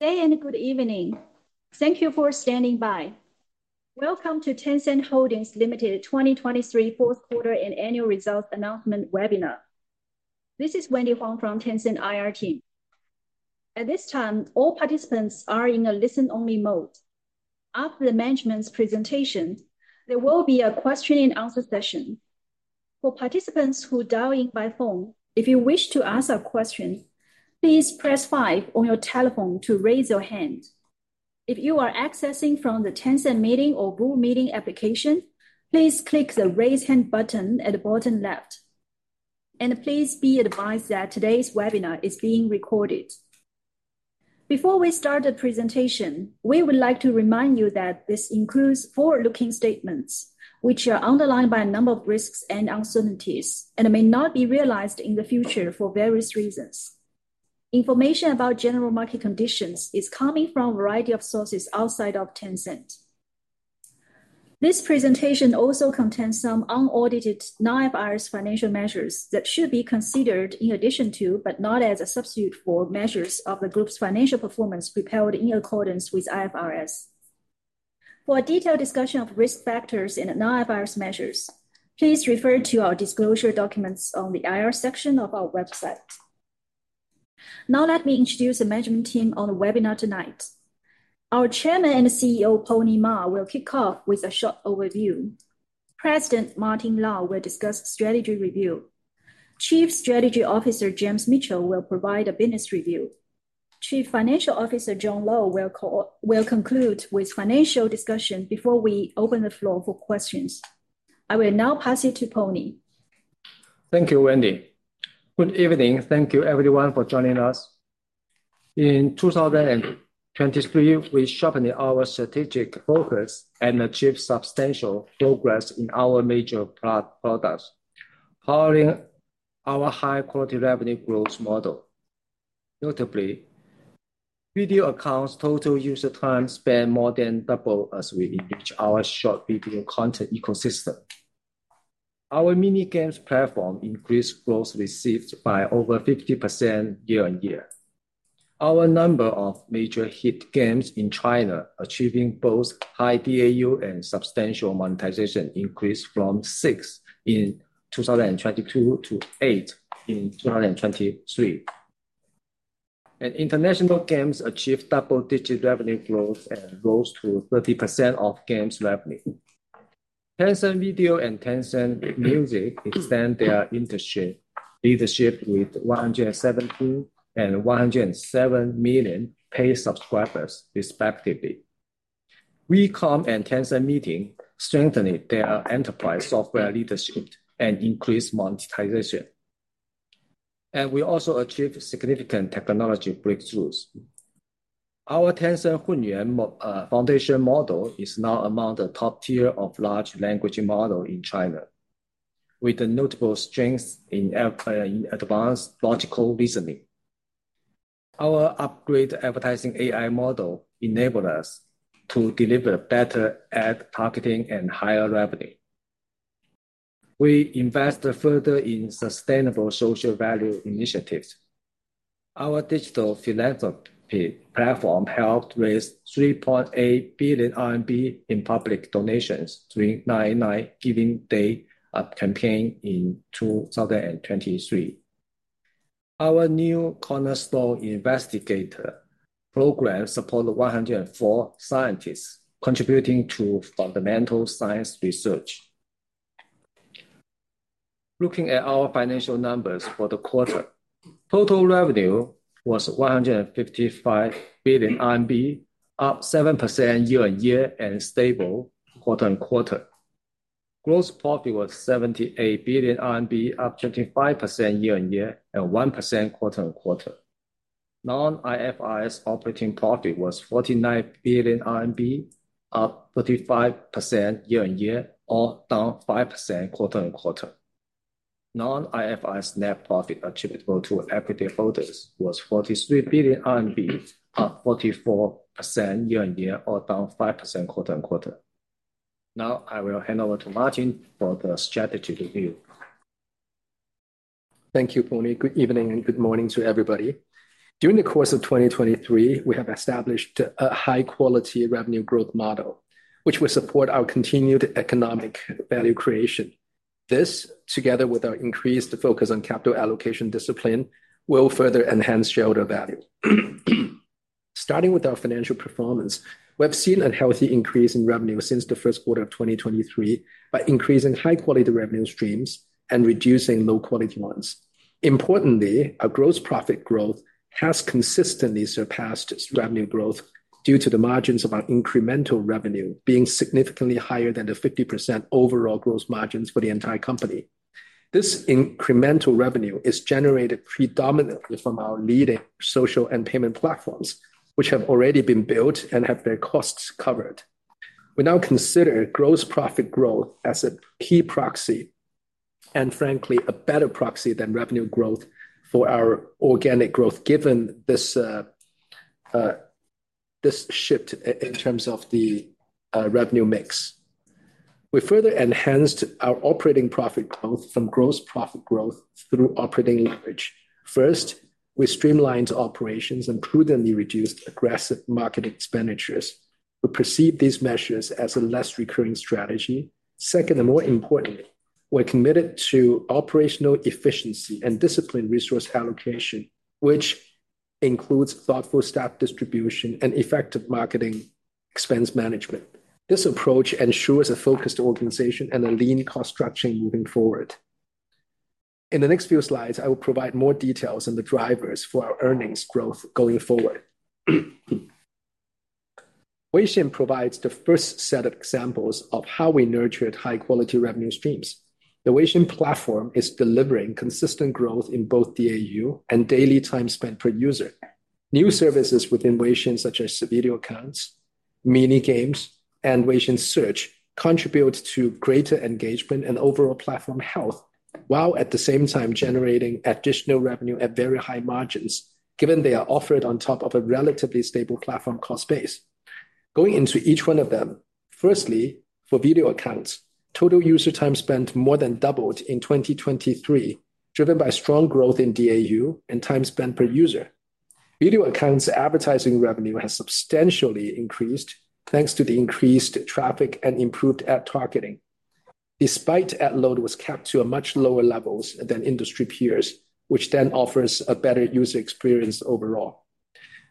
Hi and good evening. Thank you for standing by. Welcome to Tencent Holdings Limited 2023 Fourth Quarter and Annual Results Announcement Webinar. This is Wendy Huang from Tencent IR team. At this time, all participants are in a listen-only mode. After the management's presentation, there will be a question-and-answer session. For participants who dial in by phone, if you wish to ask a question, please press 5 on your telephone to raise your hand. If you are accessing from the Tencent Meeting or Zoom Meeting application, please click the Raise Hand button at the bottom left. Please be advised that today's webinar is being recorded. Before we start the presentation, we would like to remind you that this includes forward-looking statements, which are subject to a number of risks and uncertainties, and may not be realized in the future for various reasons. Information about general market conditions is coming from a variety of sources outside of Tencent. This presentation also contains some unaudited non-IFRS financial measures that should be considered in addition to, but not as a substitute for, measures of the group's financial performance prepared in accordance with IFRS. For a detailed discussion of risk factors in non-IFRS measures, please refer to our disclosure documents on the IR section of our website. Now let me introduce the management team on the webinar tonight. Our Chairman and CEO, Pony Ma, will kick off with a short overview. President Martin Lau will discuss strategy review. Chief Strategy Officer, James Mitchell, will provide a business review. Chief Financial Officer, John Lo, will conclude with financial discussion before we open the floor for questions. I will now pass it to Pony. Thank you, Wendy. Good evening. Thank you, everyone, for joining us. In 2023, we sharpened our strategic focus and achieved substantial progress in our major products, powering our high-quality revenue growth model. Notably, Video Accounts' total user time spent more than doubled as we enrich our short video content ecosystem. Our Mini Games platform increased gross receipts by over 50% year-over-year. Our number of major hit games in China achieved both high DAU and substantial monetization increase from 6 in 2022 to 8 in 2023. International games achieved double-digit revenue growth and rose to 30% of games revenue. Tencent Video and Tencent Music extend their industry leadership with 117 million and 107 million paid subscribers, respectively. WeCom and Tencent Meeting strengthened their enterprise software leadership and increased monetization. We also achieved significant technology breakthroughs. Our Tencent Hunyuan Foundation model is now among the top-tier of large language models in China, with notable strengths in advanced logical reasoning. Our upgraded advertising AI model enabled us to deliver better ad targeting and higher revenue. We invest further in sustainable social value initiatives. Our digital philanthropy platform helped raise 3.8 billion RMB in public donations during the 99 Giving Day campaign in 2023. Our new Cornerstone Investigator Program supported 104 scientists, contributing to fundamental science research. Looking at our financial numbers for the quarter, total revenue was 155 billion RMB, up 7% year-on-year and stable quarter-on-quarter. Gross profit was 78 billion RMB, up 25% year-on-year and 1% quarter-on-quarter. Non-IFRS operating profit was 49 billion RMB, up 35% year-on-year or down 5% quarter-on-quarter. Non-IFRS net profit attributable to equity holders was 43 billion RMB, up 44% year-over-year or down 5% quarter-over-quarter. Now, I will hand over to Martin for the strategy review. Thank you, Pony. Good evening and good morning to everybody. During the course of 2023, we have established a high-quality revenue growth model, which will support our continued economic value creation. This, together with our increased focus on capital allocation discipline, will further enhance shareholder value. Starting with our financial performance, we have seen a healthy increase in revenue since the first quarter of 2023 by increasing high-quality revenue streams and reducing low-quality ones. Importantly, our gross profit growth has consistently surpassed revenue growth due to the margins of our incremental revenue being significantly higher than the 50% overall gross margins for the entire company. This incremental revenue is generated predominantly from our leading social and payment platforms, which have already been built and have their costs covered. We now consider gross profit growth as a key proxy and, frankly, a better proxy than revenue growth for our organic growth given this shift in terms of the revenue mix. We further enhanced our operating profit growth from gross profit growth through operating leverage. First, we streamlined operations and prudently reduced aggressive market expenditures. We perceive these measures as a less recurring strategy. Second, and more importantly, we're committed to operational efficiency and disciplined resource allocation, which includes thoughtful staff distribution and effective marketing expense management. This approach ensures a focused organization and a lean cost structure moving forward. In the next few slides, I will provide more details on the drivers for our earnings growth going forward. Weixin provides the first set of examples of how we nurtured high-quality revenue streams. The Weixin platform is delivering consistent growth in both DAU and daily time spent per user. New services within Weixin, such as Video Accounts, Mini Games, and Weixin Search, contribute to greater engagement and overall platform health while at the same time generating additional revenue at very high margins, given they are offered on top of a relatively stable platform cost base. Going into each one of them, firstly, for Video Accounts, total user time spent more than doubled in 2023, driven by strong growth in DAU and time spent per user. Video Accounts' advertising revenue has substantially increased thanks to the increased traffic and improved ad targeting. Despite ad load was kept to much lower levels than industry peers, which then offers a better user experience overall.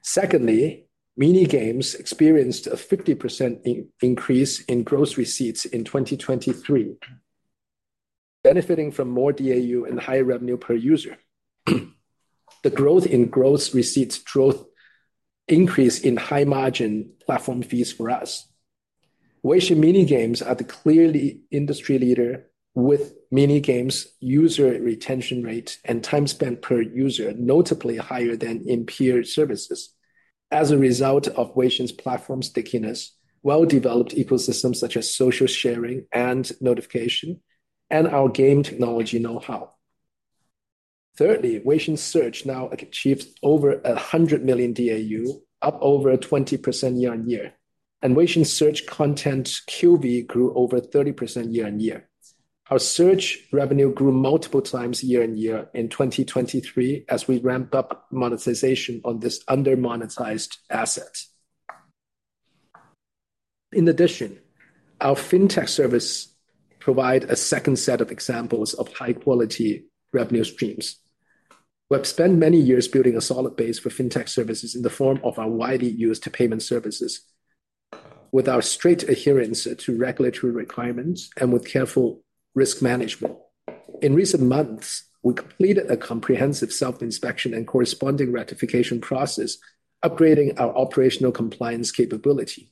Secondly, Mini Games experienced a 50% increase in gross receipts in 2023, benefiting from more DAU and higher revenue per user. The growth in gross receipts increased in high-margin platform fees for us. Mini Games are clearly the industry leader with Mini Games' user retention rate and time spent per user notably higher than in peer services as a result of Weixin's platform stickiness, well-developed ecosystems such as social sharing and notification, and our game technology know-how. Thirdly, Weixin Search now achieves over 100 million DAU, up over 20% year-over-year. Weixin Search content QV grew over 30% year-over-year. Our search revenue grew multiple times year-over-year in 2023 as we ramped up monetization on this under-monetized asset. In addition, our Fintech services provide a second set of examples of high-quality revenue streams. We have spent many years building a solid base for Fintech services in the form of our widely used payment services, with our strict adherence to regulatory requirements and with careful risk management. In recent months, we completed a comprehensive self-inspection and corresponding ratification process, upgrading our operational compliance capability.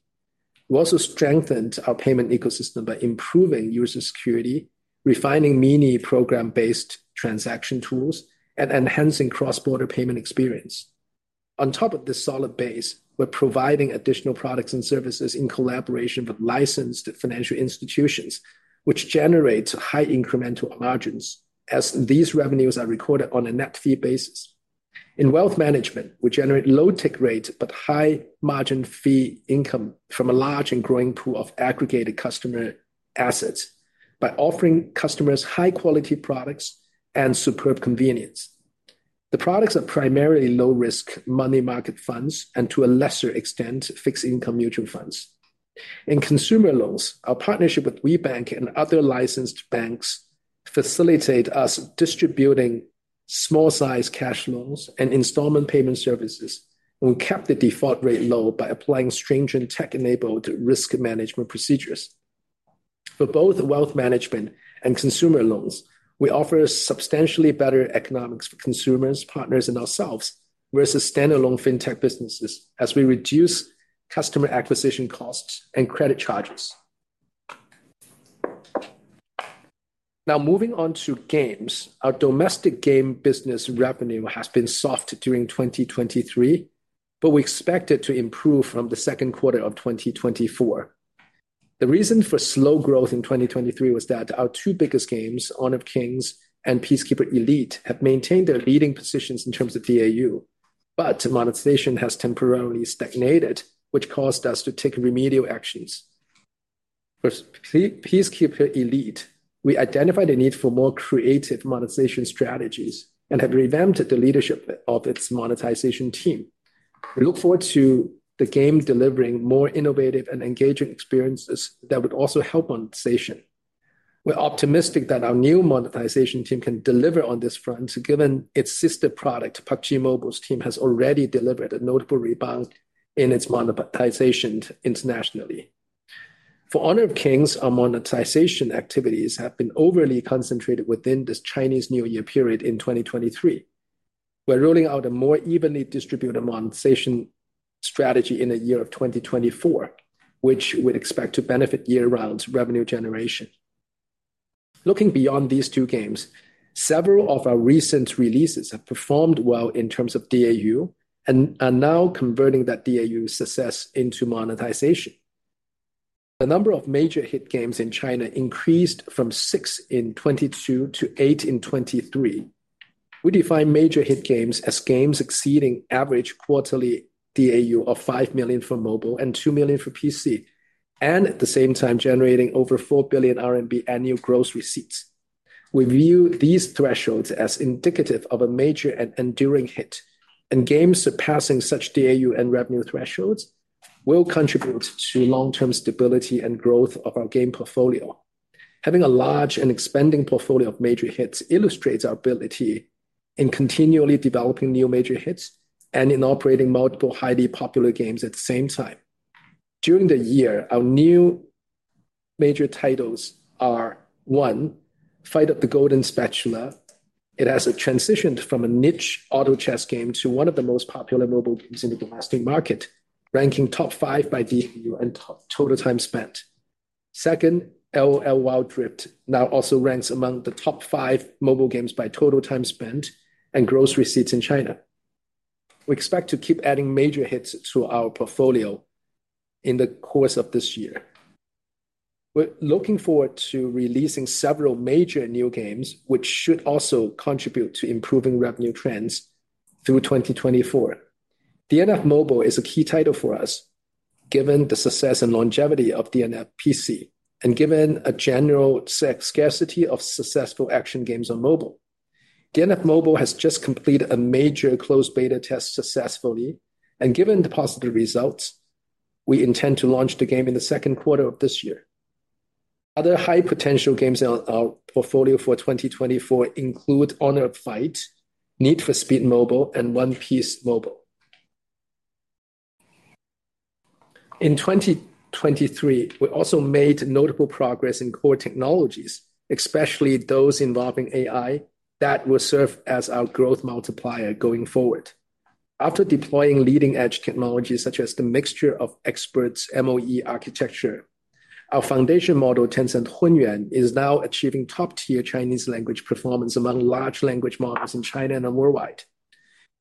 We also strengthened our payment ecosystem by improving user security, refining mini-program-based transaction tools, and enhancing cross-border payment experience. On top of this solid base, we're providing additional products and services in collaboration with licensed financial institutions, which generate high incremental margins as these revenues are recorded on a net fee basis. In wealth management, we generate low tick rates but high margin fee income from a large and growing pool of aggregated customer assets by offering customers high-quality products and superb convenience. The products are primarily low-risk money market funds and, to a lesser extent, fixed-income mutual funds. In consumer loans, our partnership with WeBank and other licensed banks facilitated us distributing small-size cash loans and installment payment services, and we kept the default rate low by applying stringent tech-enabled risk management procedures. For both wealth management and consumer loans, we offer substantially better economics for consumers, partners, and ourselves versus standalone fintech businesses as we reduce customer acquisition costs and credit charges. Now moving on to games, our domestic game business revenue has been soft during 2023, but we expect it to improve from the second quarter of 2024. The reason for slow growth in 2023 was that our two biggest games, Honor of Kings and Peacekeeper Elite, have maintained their leading positions in terms of DAU, but monetization has temporarily stagnated, which caused us to take remedial actions. For Peacekeeper Elite, we identified a need for more creative monetization strategies and have revamped the leadership of its monetization team. We look forward to the game delivering more innovative and engaging experiences that would also help monetization. We're optimistic that our new monetization team can deliver on this front, given its sister product, PUBG Mobile's team has already delivered a notable rebound in its monetization internationally. For Honor of Kings, our monetization activities have been overly concentrated within this Chinese New Year period in 2023. We're rolling out a more evenly distributed monetization strategy in the year of 2024, which we expect to benefit year-round revenue generation. Looking beyond these two games, several of our recent releases have performed well in terms of DAU and are now converting that DAU success into monetization. The number of major hit games in China increased from 6 in 2022 to 8 in 2023. We define major hit games as games exceeding average quarterly DAU of 5 million for mobile and 2 million for PC, and at the same time generating over 4 billion RMB annual gross receipts. We view these thresholds as indicative of a major and enduring hit, and games surpassing such DAU and revenue thresholds will contribute to long-term stability and growth of our game portfolio. Having a large and expanding portfolio of major hits illustrates our ability in continually developing new major hits and in operating multiple highly popular games at the same time. During the year, our new major titles are: 1, Battle of the Golden Spatula. It has transitioned from a niche auto chess game to one of the most popular mobile games in the domestic market, ranking top five by DAU and total time spent. Second, LoL Wild Rift now also ranks among the top five mobile games by total time spent and gross receipts in China. We expect to keep adding major hits to our portfolio in the course of this year. We're looking forward to releasing several major new games, which should also contribute to improving revenue trends through 2024. DNF Mobile is a key title for us, given the success and longevity of DNF PC and given a general scarcity of successful action games on mobile. DNF Mobile has just completed a major closed beta test successfully, and given the positive results, we intend to launch the game in the second quarter of this year. Other high-potential games in our portfolio for 2024 include Honor of Fight, Need for Speed Mobile, and One Piece Mobile. In 2023, we also made notable progress in core technologies, especially those involving AI, that will serve as our growth multiplier going forward. After deploying leading-edge technologies such as the Mixture of Experts (MoE) architecture, our foundation model, Tencent Hunyuan, is now achieving top-tier Chinese language performance among large language models in China and worldwide.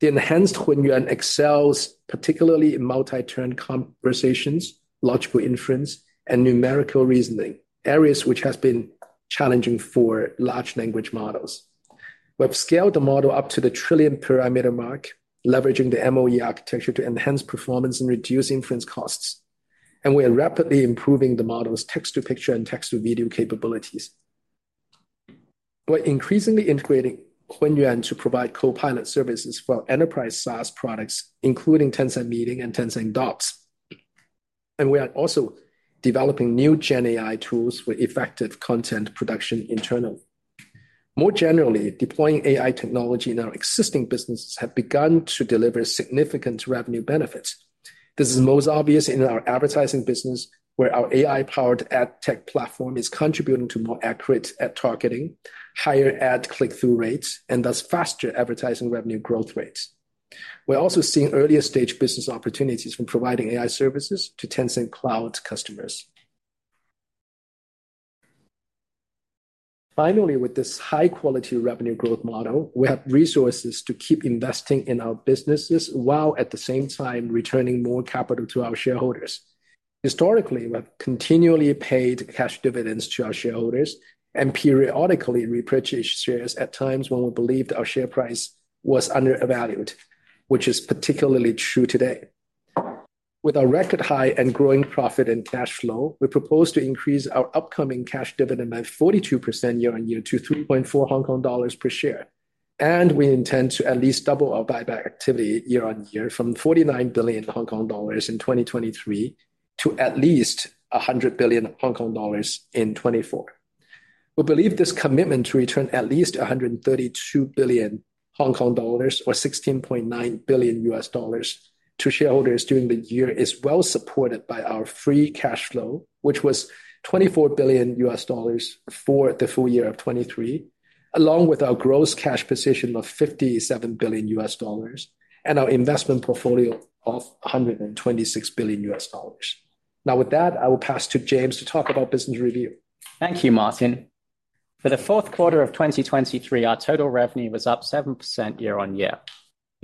The enhanced Hunyuan excels particularly in multi-turn conversations, logical inference, and numerical reasoning, areas which have been challenging for large language models. We have scaled the model up to the trillion parameter mark, leveraging the MoE architecture to enhance performance and reduce inference costs. We are rapidly improving the model's text-to-picture and text-to-video capabilities. We're increasingly integrating Hunyuan to provide co-pilot services for enterprise SaaS products, including Tencent Meeting and Tencent Docs. We are also developing new GenAI tools for effective content production internally. More generally, deploying AI technology in our existing businesses has begun to deliver significant revenue benefits. This is most obvious in our advertising business, where our AI-powered ad tech platform is contributing to more accurate ad targeting, higher ad click-through rates, and thus faster advertising revenue growth rates. We're also seeing earlier-stage business opportunities from providing AI services to Tencent Cloud customers. Finally, with this high-quality revenue growth model, we have resources to keep investing in our businesses while at the same time returning more capital to our shareholders. Historically, we have continually paid cash dividends to our shareholders and periodically repurchased shares at times when we believed our share price was undervalued, which is particularly true today. With our record high and growing profit and cash flow, we propose to increase our upcoming cash dividend by 42% year-on-year to 3.4 Hong Kong dollars per share. We intend to at least double our buyback activity year-on-year from 49 billion Hong Kong dollars in 2023 to at least 100 billion Hong Kong dollars in 2024. We believe this commitment to return at least 132 billion Hong Kong dollars or $16.9 billion to shareholders during the year is well supported by our free cash flow, which was $24 billion for the full year of 2023, along with our gross cash position of $57 billion and our investment portfolio of $126 billion. Now, with that, I will pass to James to talk about business review. Thank you, Martin. For the fourth quarter of 2023, our total revenue was up 7% year-on-year.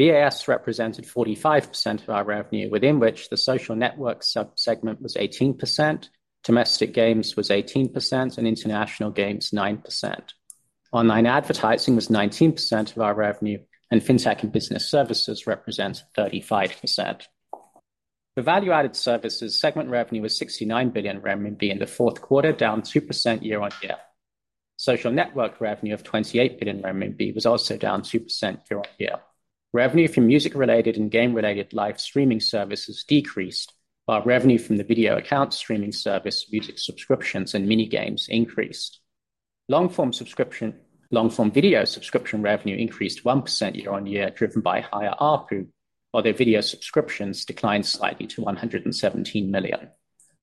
VAS represented 45% of our revenue, within which the social network subsegment was 18%, domestic games was 18%, and international games 9%. Online advertising was 19% of our revenue, and fintech and business services represent 35%. For value-added services, segment revenue was 69 billion RMB in the fourth quarter, down 2% year-on-year. Social network revenue of 28 billion RMB was also down 2% year-on-year. Revenue from music-related and game-related live streaming services decreased, while revenue from the video account streaming service, music subscriptions, and mini-games increased. Long-form video subscription revenue increased 1% year-on-year, driven by higher ARPU, while their video subscriptions declined slightly to 117 million.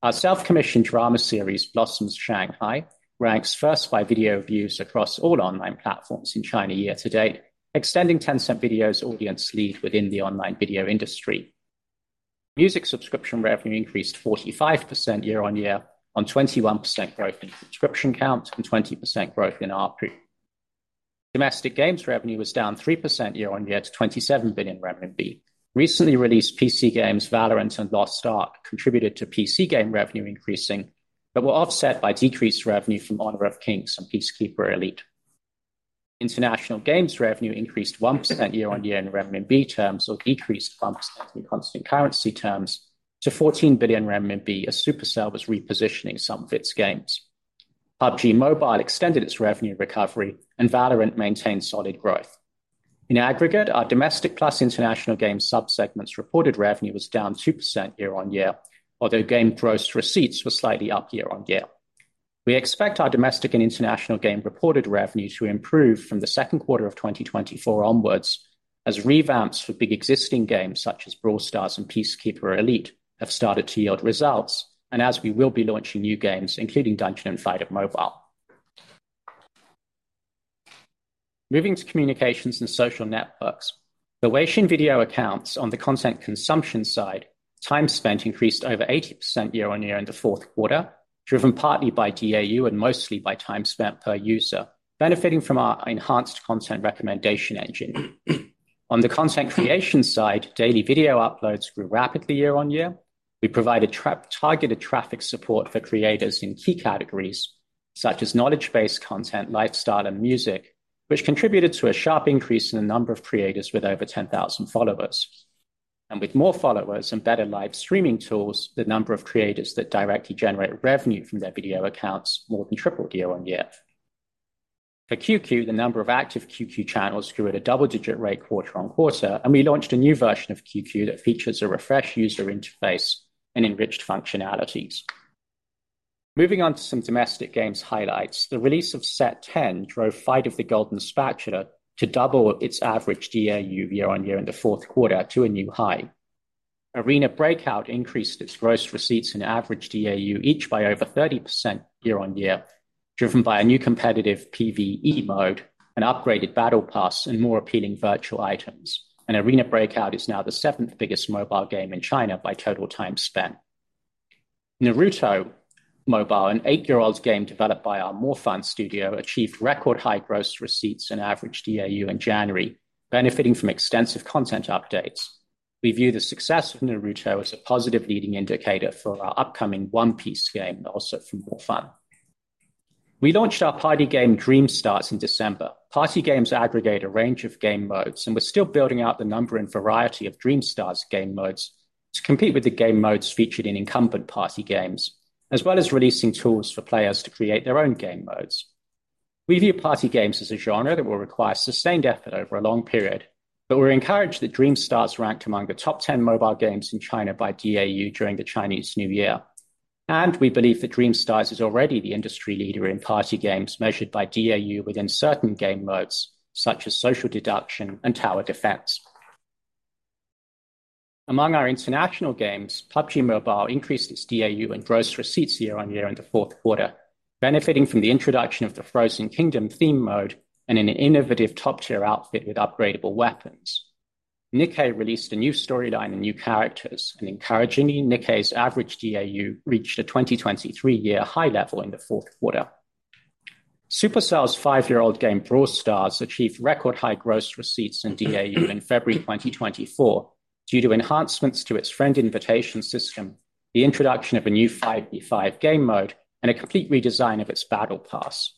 Our self-commissioned drama series, Blossoms Shanghai, ranks first by video views across all online platforms in China year to date, extending Tencent Video's audience lead within the online video industry. Music subscription revenue increased 45% year-on-year on 21% growth in subscription count and 20% growth in ARPU. Domestic games revenue was down 3% year-on-year to 27 billion renminbi. Recently released PC games Valorant and Lost Ark contributed to PC game revenue increasing but were offset by decreased revenue from Honor of Kings and Peacekeeper Elite. International games revenue increased 1% year-on-year in RMB terms or decreased 1% in constant currency terms to 14 billion renminbi as Supercell was repositioning some of its games. PUBG Mobile extended its revenue recovery, and Valorant maintained solid growth. In aggregate, our domestic plus international game subsegments reported revenue was down 2% year-on-year, although game gross receipts were slightly up year-on-year. We expect our domestic and international game reported revenue to improve from the second quarter of 2024 onwards as revamps for big existing games such as Brawl Stars and Peacekeeper Elite have started to yield results, and as we will be launching new games, including Dungeon and Fighter Mobile. Moving to communications and social networks, the Weixin Video Accounts, on the content consumption side, time spent increased over 80% year-on-year in the fourth quarter, driven partly by DAU and mostly by time spent per user, benefiting from our enhanced content recommendation engine. On the content creation side, daily video uploads grew rapidly year-on-year. We provided targeted traffic support for creators in key categories such as knowledge-based content, lifestyle, and music, which contributed to a sharp increase in the number of creators with over 10,000 followers. With more followers and better live streaming tools, the number of creators that directly generate revenue from their Video Accounts more than tripled year-over-year. For QQ, the number of active QQ Channels grew at a double-digit rate quarter-over-quarter, and we launched a new version of QQ that features a refreshed user interface and enriched functionalities. Moving on to some domestic games highlights, the release of Set 10 drove Battle of the Golden Spatula to double its average DAU year-over-year in the fourth quarter to a new high. Arena Breakout increased its gross receipts and average DAU each by over 30% year-over-year, driven by a new competitive PvE mode, an upgraded battle pass, and more appealing virtual items. Arena Breakout is now the seventh biggest mobile game in China by total time spent. Naruto Mobile, an eight-year-old game developed by our MoreFun Studios, achieved record-high gross receipts and average DAU in January, benefiting from extensive content updates. We view the success of Naruto as a positive leading indicator for our upcoming One Piece game, also from MoreFun. We launched our party game DreamStar in December. Party games aggregate a range of game modes, and we're still building out the number and variety of DreamStar game modes to compete with the game modes featured in incumbent party games, as well as releasing tools for players to create their own game modes. We view party games as a genre that will require sustained effort over a long period, but we're encouraged that DreamStar ranked among the top 10 mobile games in China by DAU during the Chinese New Year. We believe that DreamStar is already the industry leader in party games measured by DAU within certain game modes such as social deduction and tower defense. Among our international games, PUBG Mobile increased its DAU and gross receipts year-on-year in the fourth quarter, benefiting from the introduction of the Frozen Kingdom theme mode and an innovative top-tier outfit with upgradable weapons. NIKKE released a new storyline and new characters, and encouragingly, NIKKE's average DAU reached a 2023 year high-level in the fourth quarter. Supercell's five-year-old game Brawl Stars achieved record-high gross receipts and DAU in February 2024 due to enhancements to its friend invitation system, the introduction of a new 5v5 game mode, and a complete redesign of its battle pass.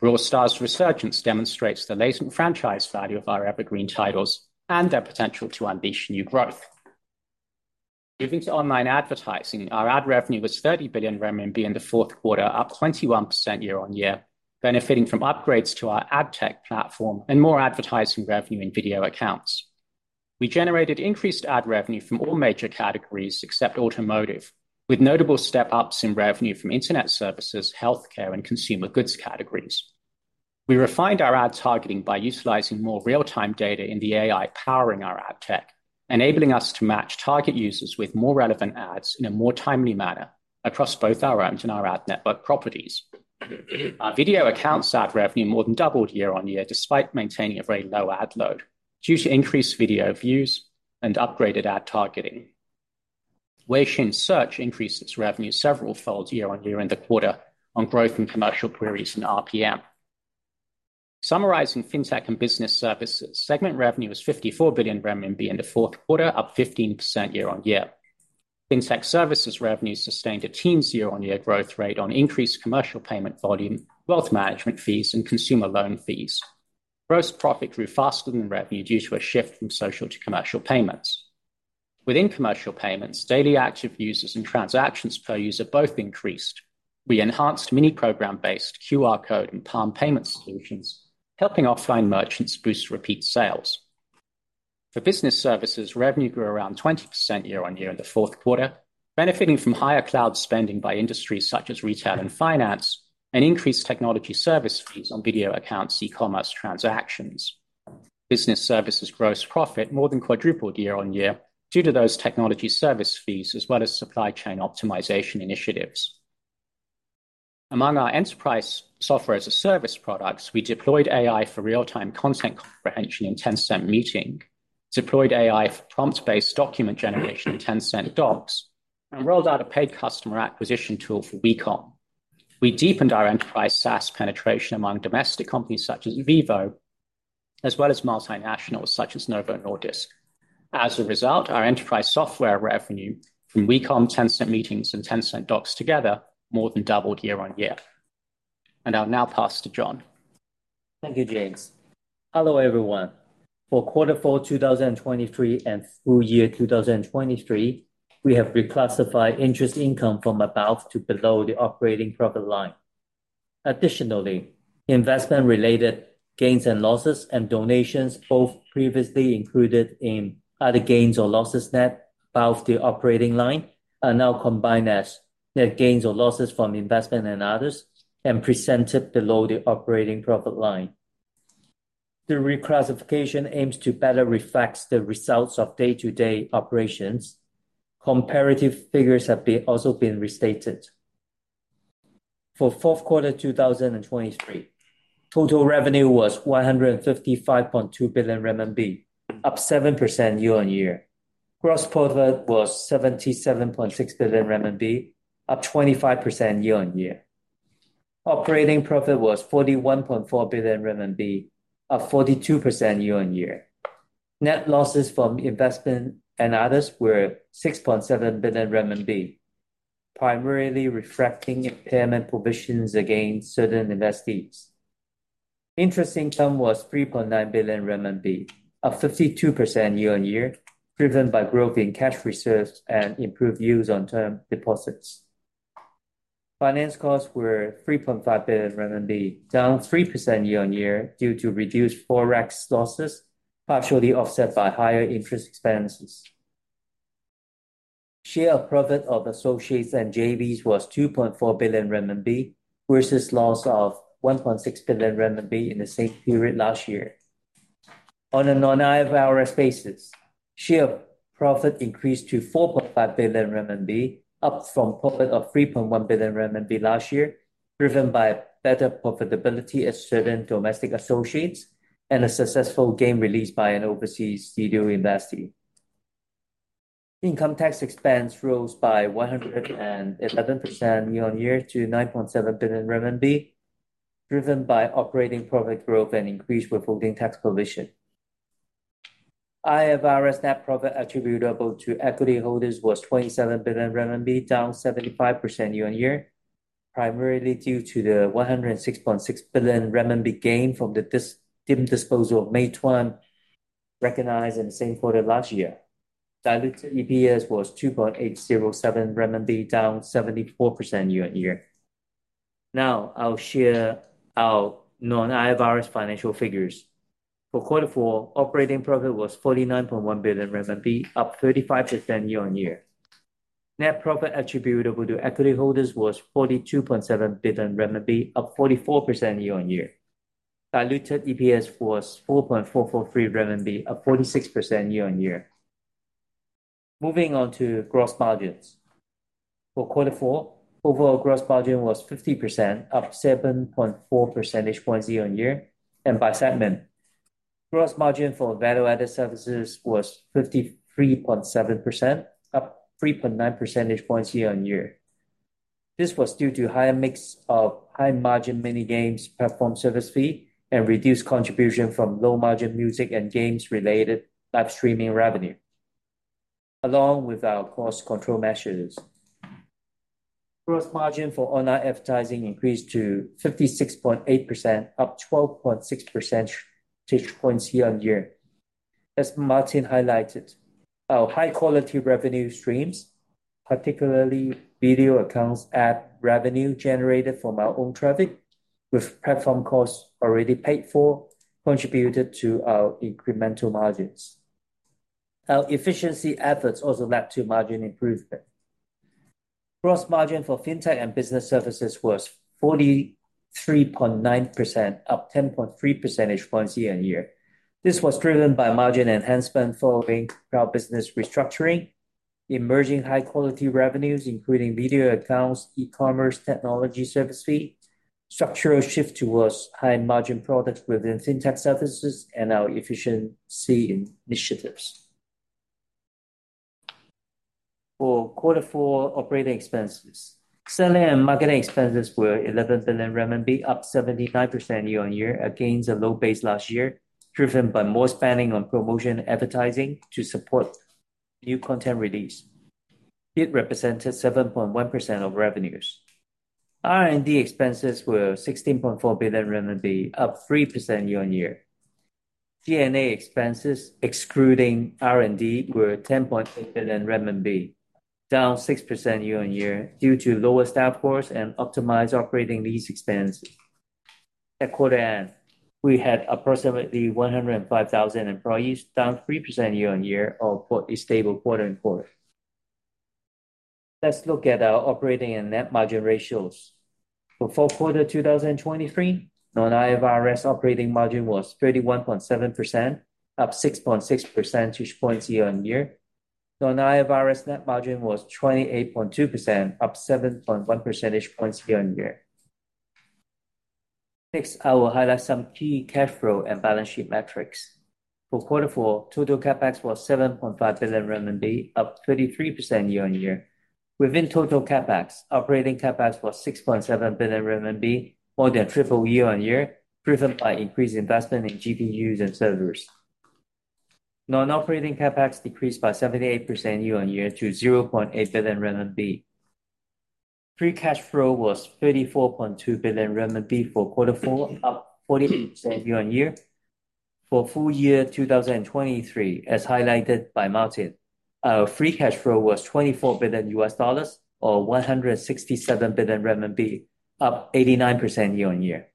Brawl Stars' resurgence demonstrates the latent franchise value of our evergreen titles and their potential to unleash new growth. Moving to online advertising, our ad revenue was 30 billion RMB in the fourth quarter, up 21% year-on-year, benefiting from upgrades to our ad tech platform and more advertising revenue in Video Accounts. We generated increased ad revenue from all major categories except automotive, with notable step-ups in revenue from internet services, healthcare, and consumer goods categories. We refined our ad targeting by utilizing more real-time data in the AI powering our ad tech, enabling us to match target users with more relevant ads in a more timely manner across both our homes and our ad network properties. Our Video Accounts' ad revenue more than doubled year-on-year despite maintaining a very low ad load due to increased video views and upgraded ad targeting. Weixin Search increased its revenue several-fold year-on-year in the quarter on growth in commercial queries and RPM. Summarizing fintech and business services, segment revenue was 54 billion RMB in the fourth quarter, up 15% year-on-year. Fintech services revenue sustained a teens year-on-year growth rate on increased commercial payment volume, wealth management fees, and consumer loan fees. Gross profit grew faster than revenue due to a shift from social to commercial payments. Within commercial payments, daily active users and transactions per user both increased. We enhanced mini-program-based QR code and Palm Payment solutions, helping offline merchants boost repeat sales. For business services, revenue grew around 20% year-on-year in the fourth quarter, benefiting from higher cloud spending by industries such as retail and finance and increased technology service fees on Video Accounts, e-commerce transactions. Business services gross profit more than quadrupled year-on-year due to those technology service fees, as well as supply chain optimization initiatives. Among our enterprise software as a service products, we deployed AI for real-time content comprehension in Tencent Meeting, deployed AI for prompt-based document generation in Tencent Docs, and rolled out a paid customer acquisition tool for WeCom. We deepened our enterprise SaaS penetration among domestic companies such as Vivo, as well as multinationals such as Novo Nordisk. As a result, our enterprise software revenue from WeCom, Tencent Meeting, and Tencent Docs together more than doubled year-on-year. And I'll now pass to John. Thank you, James. Hello, everyone. For quarter four 2023 and full year 2023, we have reclassified interest income from above to below the operating profit line. Additionally, investment-related gains and losses and donations, both previously included in other gains or losses net above the operating line, are now combined as net gains or losses from investment and others and presented below the operating profit line. The reclassification aims to better reflect the results of day-to-day operations. Comparative figures have also been restated. For fourth quarter 2023, total revenue was 155.2 billion RMB, up 7% year-on-year. Gross profit was 77.6 billion RMB, up 25% year-on-year. Operating profit was 41.4 billion RMB, up 42% year-on-year. Net losses from investment and others were 6.7 billion RMB, primarily reflecting impairment provisions against certain investees. Interest income was 3.9 billion RMB, up 52% year-on-year, driven by growth in cash reserves and improved use of term deposits. Finance costs were 3.5 billion RMB, down 3% year-on-year due to reduced Forex losses, partially offset by higher interest expenses. Share of profit of associates and JVs was 2.4 billion RMB versus loss of 1.6 billion RMB in the same period last year. On a non-IFRS basis, share of profit increased to 4.5 billion RMB, up from profit of 3.1 billion RMB last year, driven by better profitability at certain domestic associates and a successful game released by an overseas studio investee. Income tax expense rose by 111% year-over-year to 9.7 billion RMB, driven by operating profit growth and increased withholding tax provision. IFRS net profit attributable to equity holders was 27 billion RMB, down 75% year-over-year, primarily due to the 106.6 billion RMB gain from the deemed disposal of Meituan recognized in the same quarter last year. Diluted EPS was 2.807 renminbi, down 74% year-over-year. Now, I'll share our non-IFRS financial figures. For quarter four, operating profit was 49.1 billion RMB, up 35% year-over-year. Net profit attributable to equity holders was 42.7 billion RMB, up 44% year-over-year. Diluted EPS was 4.443 RMB, up 46% year-on-year. Moving on to gross margins. For quarter four, overall gross margin was 50%, up 7.4 percentage points year-on-year, and by segment. Gross margin for value-added services was 53.7%, up 3.9 percentage points year-on-year. This was due to a higher mix of high-margin mini-games performance service fee and reduced contribution from low-margin music and games-related live streaming revenue, along with our cost control measures. Gross margin for online advertising increased to 56.8%, up 12.6 percentage points year-on-year. As Martin highlighted, our high-quality revenue streams, particularly Video Accounts' ad revenue generated from our own traffic, with platform costs already paid for, contributed to our incremental margins. Our efficiency efforts also led to margin improvement. Gross margin for Fintech and business services was 43.9%, up 10.3 percentage points year-on-year. This was driven by margin enhancement following Cloud business restructuring, emerging high-quality revenues, including Video Accounts, e-commerce, technology service fee, structural shift towards high-margin products within fintech services, and our efficiency initiatives. For quarter four, operating expenses, selling and marketing expenses were 11 billion RMB, up 79% year-on-year, against a low base last year, driven by more spending on promotion advertising to support new content release. It represented 7.1% of revenues. R&D expenses were CNY 16.4 billion, up 3% year-on-year. G&A expenses, excluding R&D, were 10.8 billion RMB, down 6% year-on-year due to lower staff costs and optimized operating lease expenses. At quarter end, we had approximately 105,000 employees, down 3% year-on-year, quarter-on-quarter stable. Let's look at our operating and net margin ratios. For fourth quarter 2023, non-IFRS operating margin was 31.7%, up 6.6 percentage points year-over-year. Non-IFRS net margin was 28.2%, up 7.1 percentage points year-over-year. Next, I will highlight some key cash flow and balance sheet metrics. For quarter four, total CapEx was 7.5 billion RMB, up 33% year-over-year. Within total CapEx, operating CapEx was 6.7 billion RMB, more than triple year-over-year, driven by increased investment in GPUs and servers. Non-operating CapEx decreased by 78% year-over-year to 0.8 billion RMB. Free cash flow was 34.2 billion RMB for quarter four, up 48% year-over-year. For full year 2023, as highlighted by Martin, our free cash flow was $24 billion, or 167 billion RMB, up 89% year-over-year.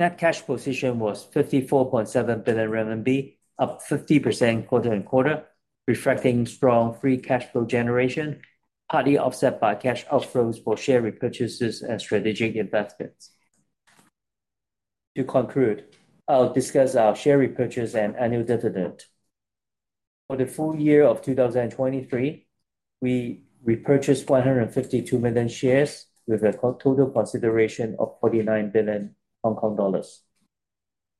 Net cash position was 54.7 billion RMB, up 50% quarter-over-quarter, reflecting strong free cash flow generation, partly offset by cash outflows for share repurchases and strategic investments. To conclude, I'll discuss our share repurchase and annual dividend. For the full year of 2023, we repurchased 152 million shares with a total consideration of 49 billion Hong Kong dollars.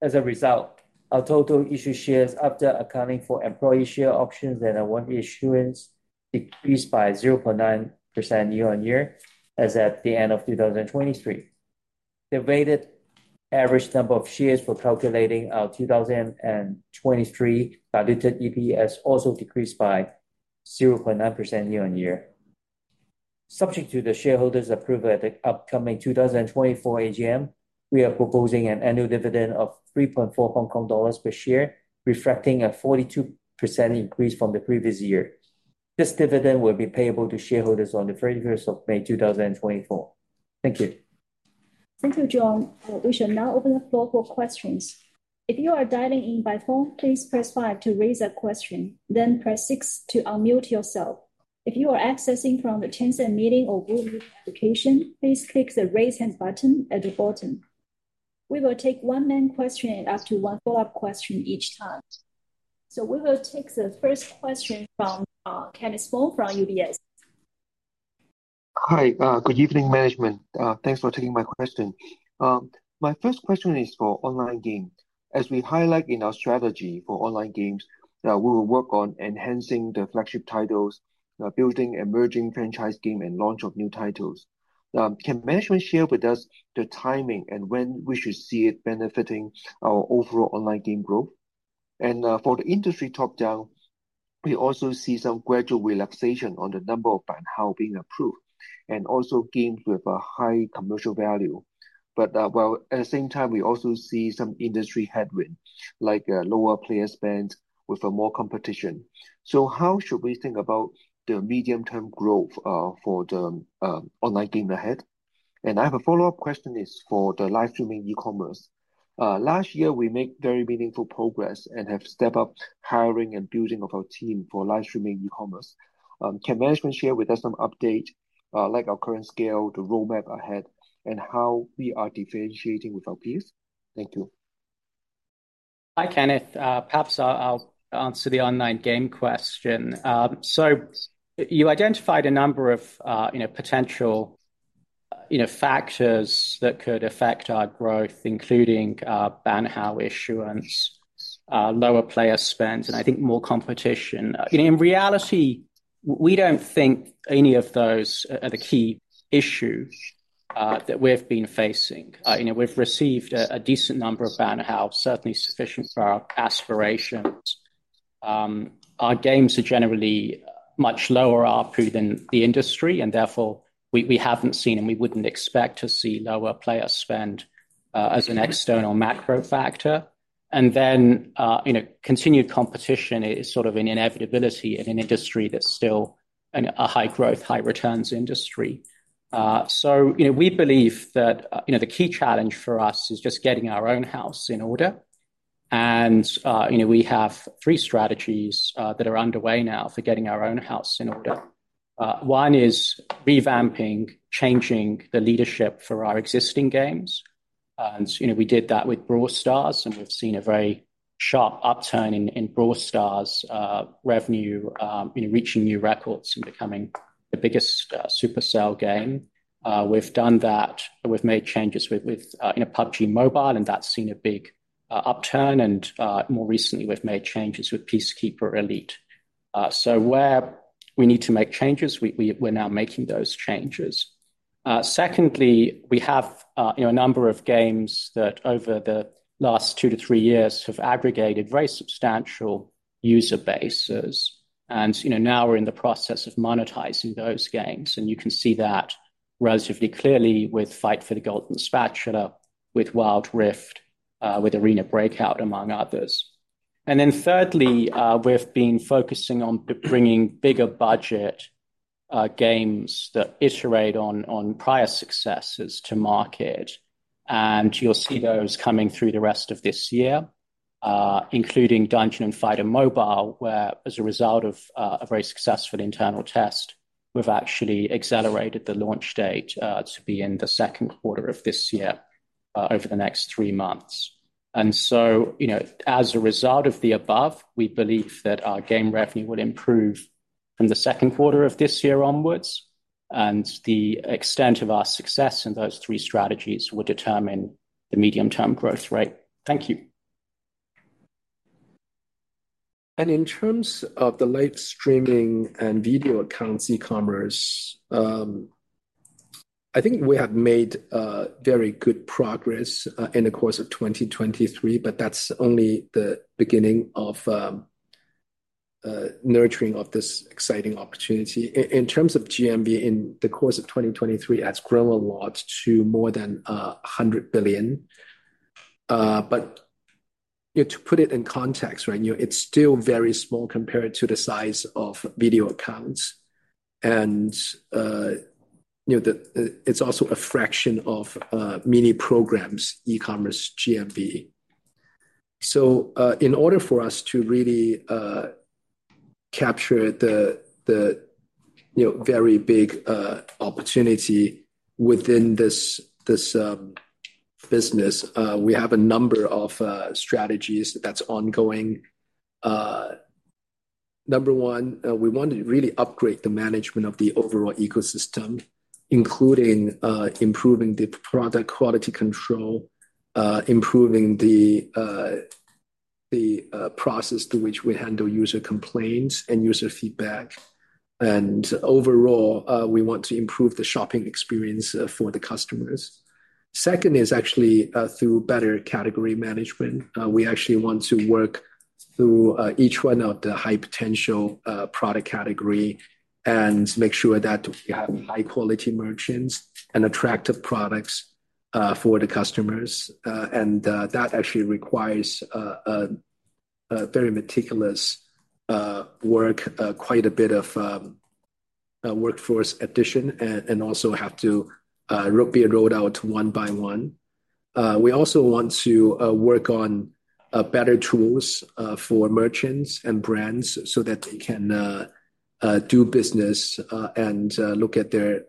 As a result, our total issued shares after accounting for employee share options and award issuance decreased by 0.9% year-on-year as at the end of 2023. The weighted average number of shares for calculating our 2023 diluted EPS also decreased by 0.9% year-on-year. Subject to the shareholders' approval at the upcoming 2024 AGM, we are proposing an annual dividend of 3.4 Hong Kong dollars per share, reflecting a 42% increase from the previous year. This dividend will be payable to shareholders on the 31st of May 2024. Thank you. Thank you, John. We shall now open the floor for questions. If you are dialing in by phone, please press five to raise a question, then press six to unmute yourself. If you are accessing from the Tencent Meeting or Google Meet application, please click the Raise Hand button at the bottom. We will take one main question and up to one follow-up question each time. So we will take the first question from Kenneth Fong from UBS. Hi. Good evening, management. Thanks for taking my question. My first question is for online game. As we highlight in our strategy for online games, we will work on enhancing the flagship titles, building emerging franchise games, and launch of new titles. Can management share with us the timing and when we should see it benefiting our overall online game growth? For the industry top-down, we also see some gradual relaxation on the number of Banhao being approved and also games with a high commercial value. But at the same time, we also see some industry headwind, like lower player spend with more competition. So how should we think about the medium-term growth for the online game ahead? I have a follow-up question. It's for the live streaming e-commerce. Last year, we made very meaningful progress and have stepped up hiring and building of our team for live streaming e-commerce. Can management share with us some update, like our current scale, the roadmap ahead, and how we are differentiating with our peers? Thank you. Hi, Kenneth. Perhaps I'll answer the online game question. So you identified a number of potential factors that could affect our growth, including Banhao issuance, lower player spend, and I think more competition. In reality, we don't think any of those are the key issues that we've been facing. We've received a decent number of Banhao, certainly sufficient for our aspirations. Our games are generally much lower RPU than the industry, and therefore, we haven't seen and we wouldn't expect to see lower player spend as an external macro factor. And then continued competition is sort of an inevitability in an industry that's still a high-growth, high-returns industry. So we believe that the key challenge for us is just getting our own house in order. And we have three strategies that are underway now for getting our own house in order. One is revamping, changing the leadership for our existing games. And we did that with Brawl Stars, and we've seen a very sharp upturn in Brawl Stars revenue, reaching new records and becoming the biggest Supercell game. We've done that. We've made changes with PUBG Mobile, and that's seen a big upturn. And more recently, we've made changes with Peacekeeper Elite. So where we need to make changes, we're now making those changes. Secondly, we have a number of games that over the last 2-3 years have aggregated very substantial user bases. And now we're in the process of monetizing those games. And you can see that relatively clearly with Battle of the Golden Spatula, with Wild Rift, with Arena Breakout, among others. And then thirdly, we've been focusing on bringing bigger-budget games that iterate on prior successes to market. You'll see those coming through the rest of this year, including Dungeon and Fighter Mobile, where, as a result of a very successful internal test, we've actually accelerated the launch date to be in the second quarter of this year over the next three months. So as a result of the above, we believe that our game revenue will improve from the second quarter of this year onwards. The extent of our success in those three strategies will determine the medium-term growth rate. Thank you. In terms of the live streaming and Video Accounts e-commerce, I think we have made very good progress in the course of 2023, but that's only the beginning of nurturing of this exciting opportunity. In terms of GMV, in the course of 2023, it's grown a lot to more than 100 billion. But to put it in context, right, it's still very small compared to the size of Video Accounts. And it's also a fraction of mini-programs, e-commerce, GMV. So in order for us to really capture the very big opportunity within this business, we have a number of strategies that's ongoing. Number one, we want to really upgrade the management of the overall ecosystem, including improving the product quality control, improving the process through which we handle user complaints and user feedback. And overall, we want to improve the shopping experience for the customers. Second is actually through better category management. We actually want to work through each one of the high-potential product categories and make sure that we have high-quality merchants and attractive products for the customers. And that actually requires very meticulous work, quite a bit of workforce addition, and also have to be rolled out one by one. We also want to work on better tools for merchants and brands so that they can do business and look at their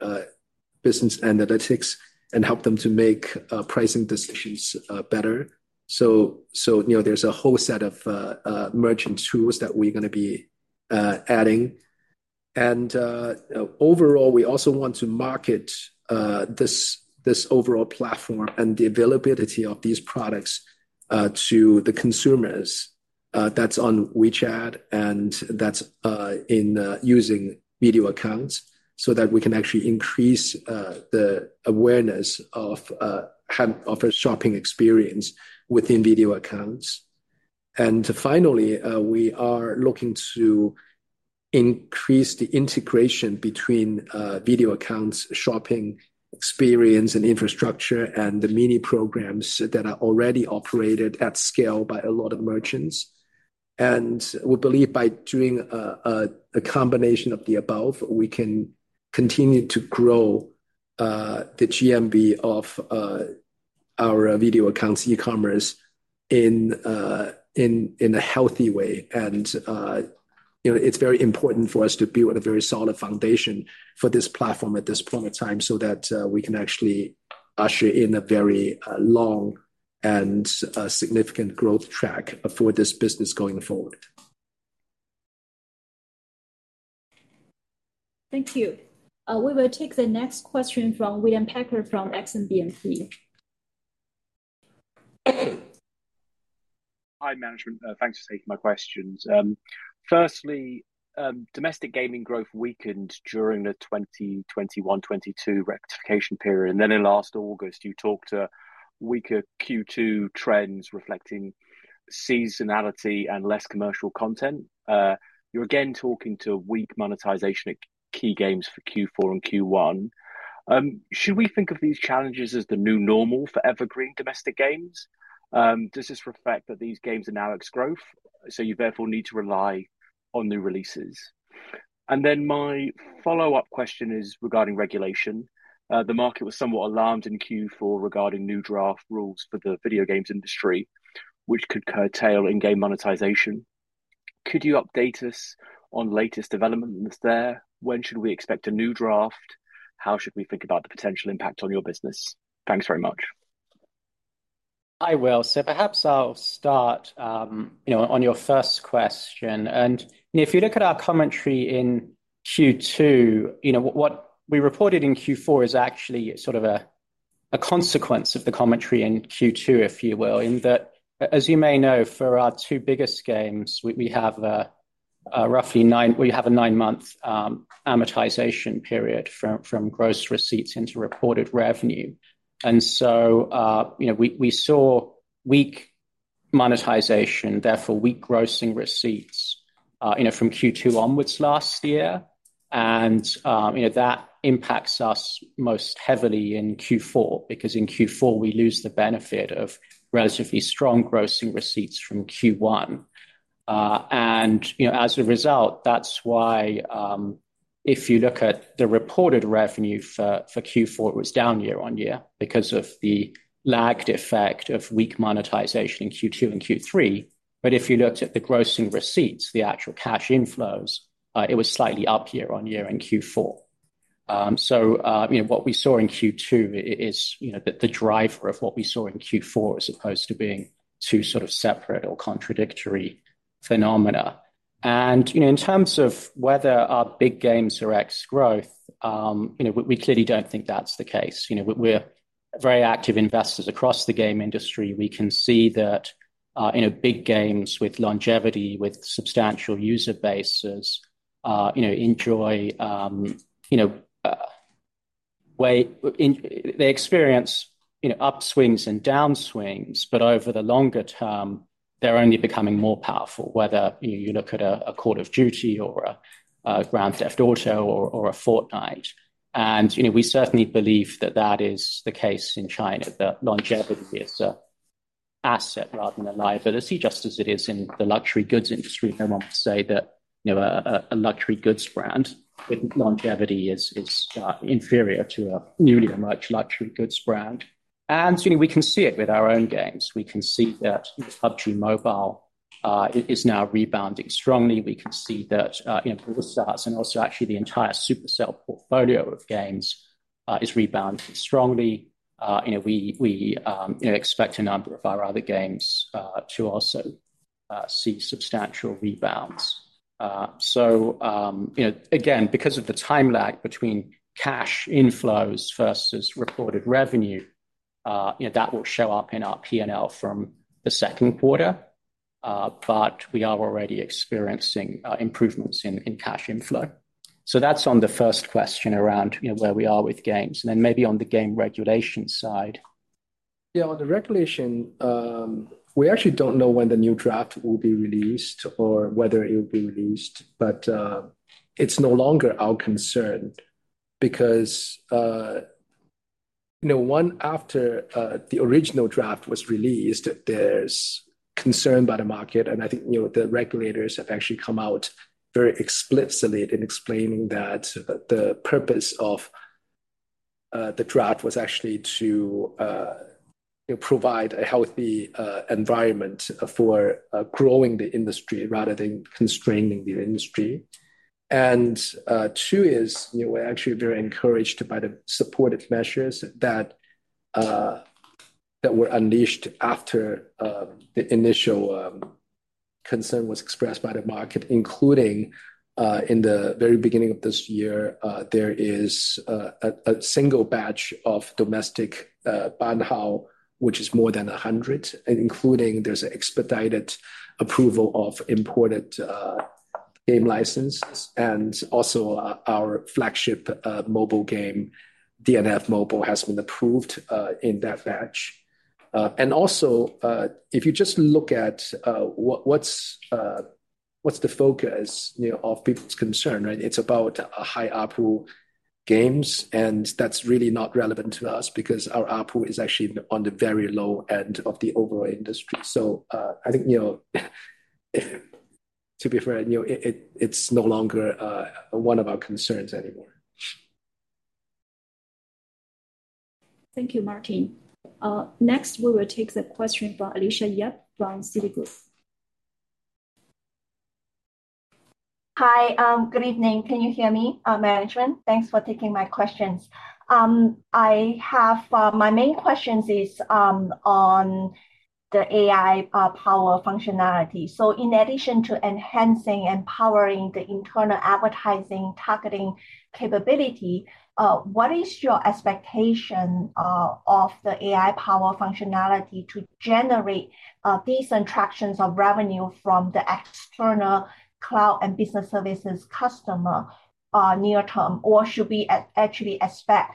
business analytics and help them to make pricing decisions better. So there's a whole set of merchant tools that we're going to be adding. Overall, we also want to market this overall platform and the availability of these products to the consumers. That's on WeChat and that's using Video Accounts so that we can actually increase the awareness of our shopping experience within Video Accounts. Finally, we are looking to increase the integration between Video Accounts, shopping experience and infrastructure, and the mini-programs that are already operated at scale by a lot of merchants. We believe by doing a combination of the above, we can continue to grow the GMV of our Video Accounts e-commerce in a healthy way. It's very important for us to build a very solid foundation for this platform at this point in time so that we can actually usher in a very long and significant growth track for this business going forward. Thank you. We will take the next question from William Packer from Exane BNP. Hi, management. Thanks for taking my questions. Firstly, domestic gaming growth weakened during the 2021-22 rectification period. Then in last August, you talked to weaker Q2 trends reflecting seasonality and less commercial content. You're again talking to weak monetization at key games for Q4 and Q1. Should we think of these challenges as the new normal for evergreen domestic games? Does this reflect that these games are now ex-growth? You therefore need to rely on new releases? Then my follow-up question is regarding regulation. The market was somewhat alarmed in Q4 regarding new draft rules for the video games industry, which could curtail in-game monetization. Could you update us on latest developments there? When should we expect a new draft? How should we think about the potential impact on your business? Thanks very much. I will. So perhaps I'll start on your first question. If you look at our commentary in Q2, what we reported in Q4 is actually sort of a consequence of the commentary in Q2, if you will, in that, as you may know, for our two biggest games, we have roughly a nine-month amortization period from gross receipts into reported revenue. So we saw weak monetization, therefore weak gross receipts from Q2 onwards last year. That impacts us most heavily in Q4 because in Q4, we lose the benefit of relatively strong gross receipts from Q1. As a result, that's why if you look at the reported revenue for Q4, it was down year-on-year because of the lagged effect of weak monetization in Q2 and Q3. But if you looked at the gross receipts, the actual cash inflows, it was slightly up year-on-year in Q4. So what we saw in Q2 is the driver of what we saw in Q4 as opposed to being two sort of separate or contradictory phenomena. In terms of whether our big games are ex-growth, we clearly don't think that's the case. We're very active investors across the game industry. We can see that big games with longevity, with substantial user bases, enjoy. They experience upswings and downswings, but over the longer term, they're only becoming more powerful, whether you look at a Call of Duty or a Grand Theft Auto or a Fortnite. And we certainly believe that that is the case in China, that longevity is an asset rather than a liability, just as it is in the luxury goods industry. No one would say that a luxury goods brand with longevity is inferior to a newly emerged luxury goods brand. And we can see it with our own games. We can see that PUBG Mobile is now rebounding strongly. We can see that Brawl Stars and also actually the entire Supercell portfolio of games is rebounding strongly. We expect a number of our other games to also see substantial rebounds. So again, because of the time lag between cash inflows versus reported revenue, that will show up in our P&L from the second quarter. But we are already experiencing improvements in cash inflow. So that's on the first question around where we are with games. And then maybe on the game regulation side. Yeah, on the regulation, we actually don't know when the new draft will be released or whether it will be released. But it's no longer our concern because after the original draft was released, there's concern by the market. And I think the regulators have actually come out very explicitly in explaining that the purpose of the draft was actually to provide a healthy environment for growing the industry rather than constraining the industry. And two is we're actually very encouraged by the supported measures that were unleashed after the initial concern was expressed by the market, including in the very beginning of this year, there is a single batch of domestic Banhao, which is more than 100, including there's an expedited approval of imported game licenses. And also our flagship mobile game, Dungeon & Fighter Mobile, has been approved in that batch. And also, if you just look at what's the focus of people's concern, right? It's about high ARPU games. And that's really not relevant to us because our ARPU is actually on the very low end of the overall industry. So I think, to be fair, it's no longer one of our concerns anymore. Thank you, Martin. Next, we will take the question from Alicia Yap from Citigroup. Hi, good evening. Can you hear me, management? Thanks for taking my questions. My main question is on the AI-powered functionality. So in addition to enhancing and powering the internal advertising targeting capability, what is your expectation of the AI-powered functionality to generate decent traction of revenue from the external cloud and business services customers near-term, or should we actually expect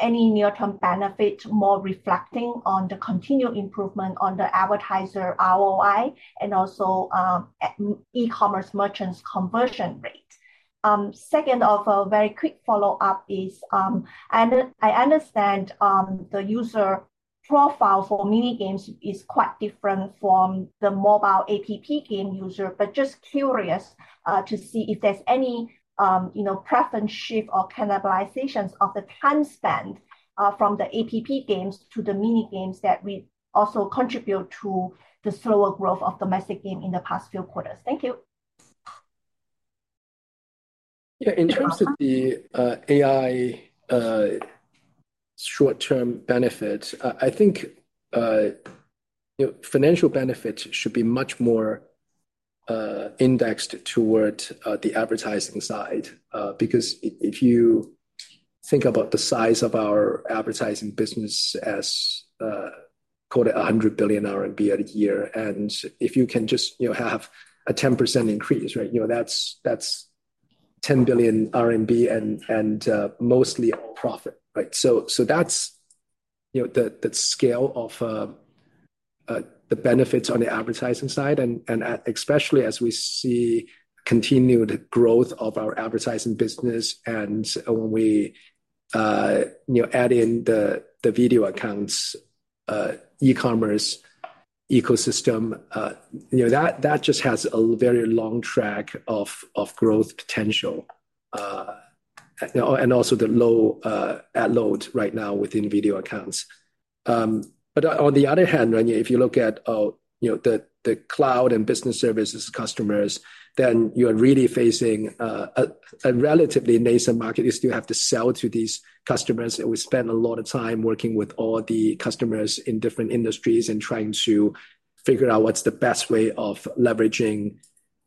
any near-term benefit more reflecting on the continual improvement on the advertiser ROI and also e-commerce merchants' conversion rate? Second, a very quick follow-up is I understand the user profile for mini-games is quite different from the mobile app game user, but just curious to see if there's any preference shift or cannibalization of the time spent from the app games to the mini-games that also contribute to the slower growth of domestic games in the past few quarters. Thank you. Yeah, in terms of the AI short-term benefit, I think financial benefit should be much more indexed toward the advertising side because if you think about the size of our advertising business as quoted 100 billion RMB a year, and if you can just have a 10% increase, right, that's 10 billion RMB and mostly profit, right? So that's the scale of the benefits on the advertising side, and especially as we see continued growth of our advertising business and when we add in the Video Accounts, e-commerce ecosystem, that just has a very long track of growth potential. And also the low ad load right now within Video Accounts. But on the other hand, if you look at the cloud and business services customers, then you're really facing a relatively nascent market. You still have to sell to these customers. We spend a lot of time working with all the customers in different industries and trying to figure out what's the best way of leveraging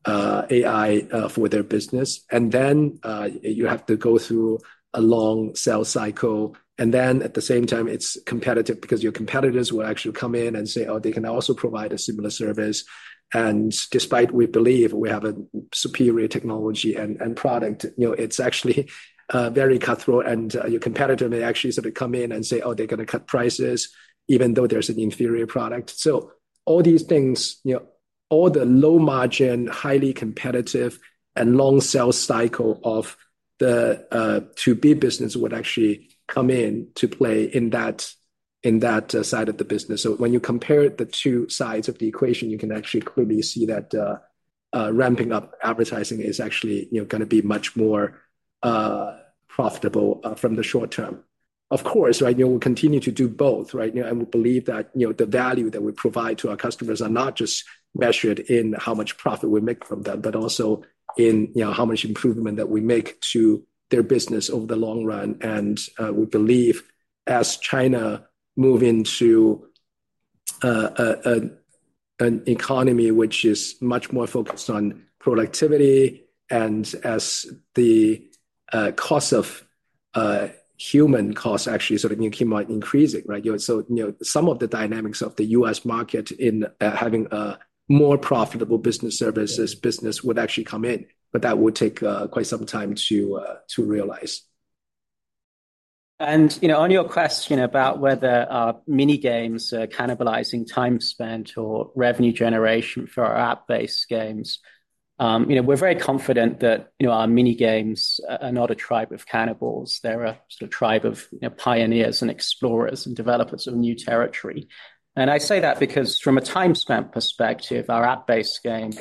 AI for their business. Then you have to go through a long sales cycle. At the same time, it's competitive because your competitors will actually come in and say, "Oh, they can also provide a similar service." And despite we believe we have a superior technology and product, it's actually very cutthroat. And your competitor may actually sort of come in and say, "Oh, they're going to cut prices," even though there's an inferior product. So, all these things, all the low-margin, highly competitive, and long sales cycle of the B2B business would actually come into play in that side of the business. So when you compare the two sides of the equation, you can actually clearly see that ramping up advertising is actually going to be much more profitable from the short term. Of course, right, we'll continue to do both, right? And we believe that the value that we provide to our customers are not just measured in how much profit we make from them, but also in how much improvement that we make to their business over the long run. And we believe as China moves into an economy which is much more focused on productivity and as the cost of human costs actually sort of keep on increasing, right? So some of the dynamics of the U.S. market in having a more profitable business services business would actually come in, but that would take quite some time to realize. On your question about whether our Mini Games are cannibalizing time spent or revenue generation for our app-based games, we're very confident that our Mini Games are not a tribe of cannibals. They're a sort of tribe of pioneers and explorers and developers of new territory. I say that because from a time spent perspective, our app-based games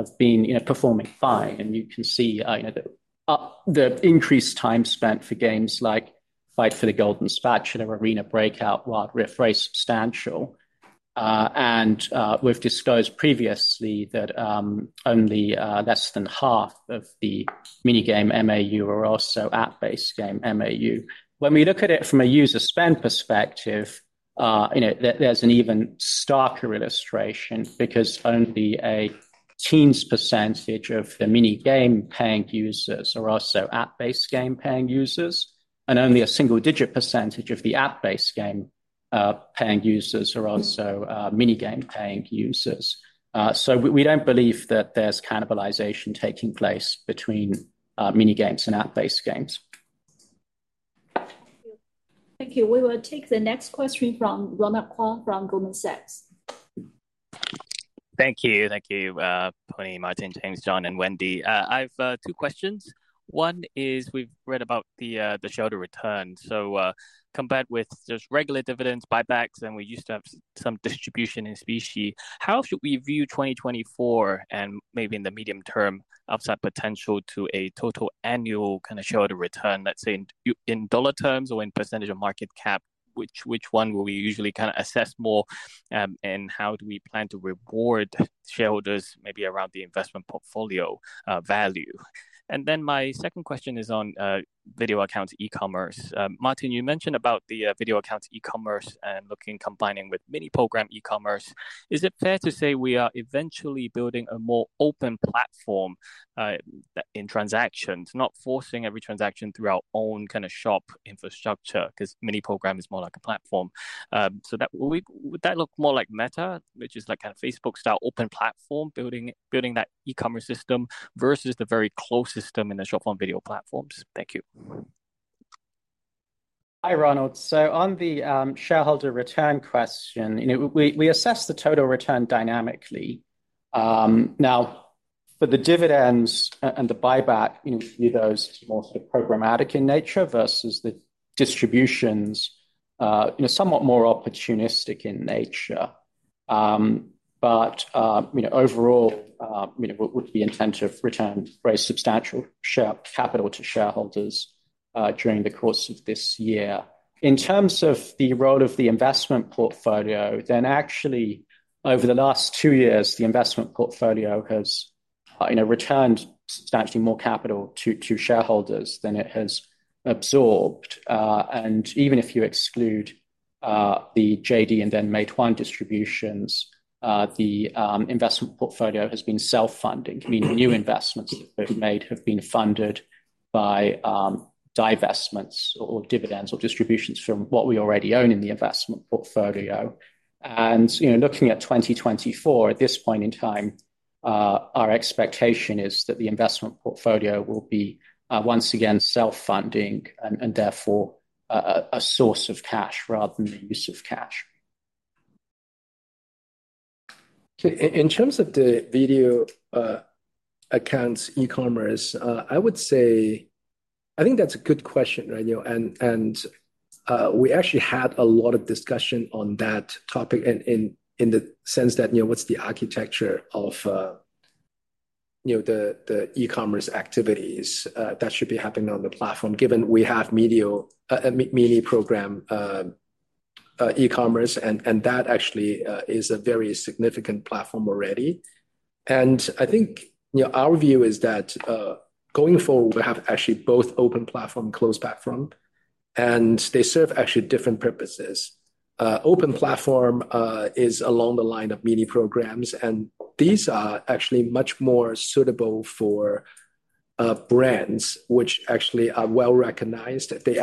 have been performing fine. You can see the increased time spent for games like Battle of the Golden Spatula or Arena Breakout while it really is substantial. We've disclosed previously that only less than half of the Mini Games MAU are also app-based game MAU. When we look at it from a user spend perspective, there's an even starker illustration because only a teens percentage of the Mini Games paying users are also app-based game paying users. Only a single-digit % of the app-based game paying users are also mini-game paying users. So we don't believe that there's cannibalization taking place between mini-games and app-based games. Thank you. Thank you. We will take the next question from Ronald Keung from Goldman Sachs. Thank you. Thank you, Pony, Martin, James, John, and Wendy. I have two questions. One is we've read about the shareholder return. So compared with just regular dividends, buybacks, and we used to have some distribution in specie, how should we view 2024 and maybe in the medium-term upside potential to a total annual kind of shareholder return, let's say, in dollar terms or in % of market cap? Which one will we usually kind of assess more and how do we plan to reward shareholders maybe around the investment portfolio value? And then my second question is on Video Accounts e-commerce. Martin, you mentioned about the Video Accounts e-commerce and combining with mini-program e-commerce. Is it fair to say we are eventually building a more open platform in transactions, not forcing every transaction through our own kind of shop infrastructure because mini-program is more like a platform? So would that look more like Meta, which is like kind of Facebook-style open platform, building that e-commerce system versus the very closed system in the short video platforms? Thank you. Hi, Ronald. So, on the shareholder return question, we assess the total return dynamically. Now, for the dividends and the buyback, we view those as more sort of programmatic in nature versus the distributions somewhat more opportunistic in nature. But overall, we would be intent to return very substantial capital to shareholders during the course of this year. In terms of the role of the investment portfolio, then actually, over the last two years, the investment portfolio has returned substantially more capital to shareholders than it has absorbed. And even if you exclude the JD and then Meituan distributions, the investment portfolio has been self-funding, meaning new investments that they've made have been funded by divestments or dividends or distributions from what we already own in the investment portfolio. And looking at 2024, at this point in time, our expectation is that the investment portfolio will be once again self-funding and therefore a source of cash rather than the use of cash. In terms of the Video Accounts e-commerce, I would say I think that's a good question, right? We actually had a lot of discussion on that topic in the sense that what's the architecture of the e-commerce activities that should be happening on the platform, given we have mini-program e-commerce, and that actually is a very significant platform already. I think our view is that going forward, we have actually both open platform and closed platform. They serve actually different purposes. Open platform is along the line of mini-programs. These are actually much more suitable for brands which actually are well recognized. They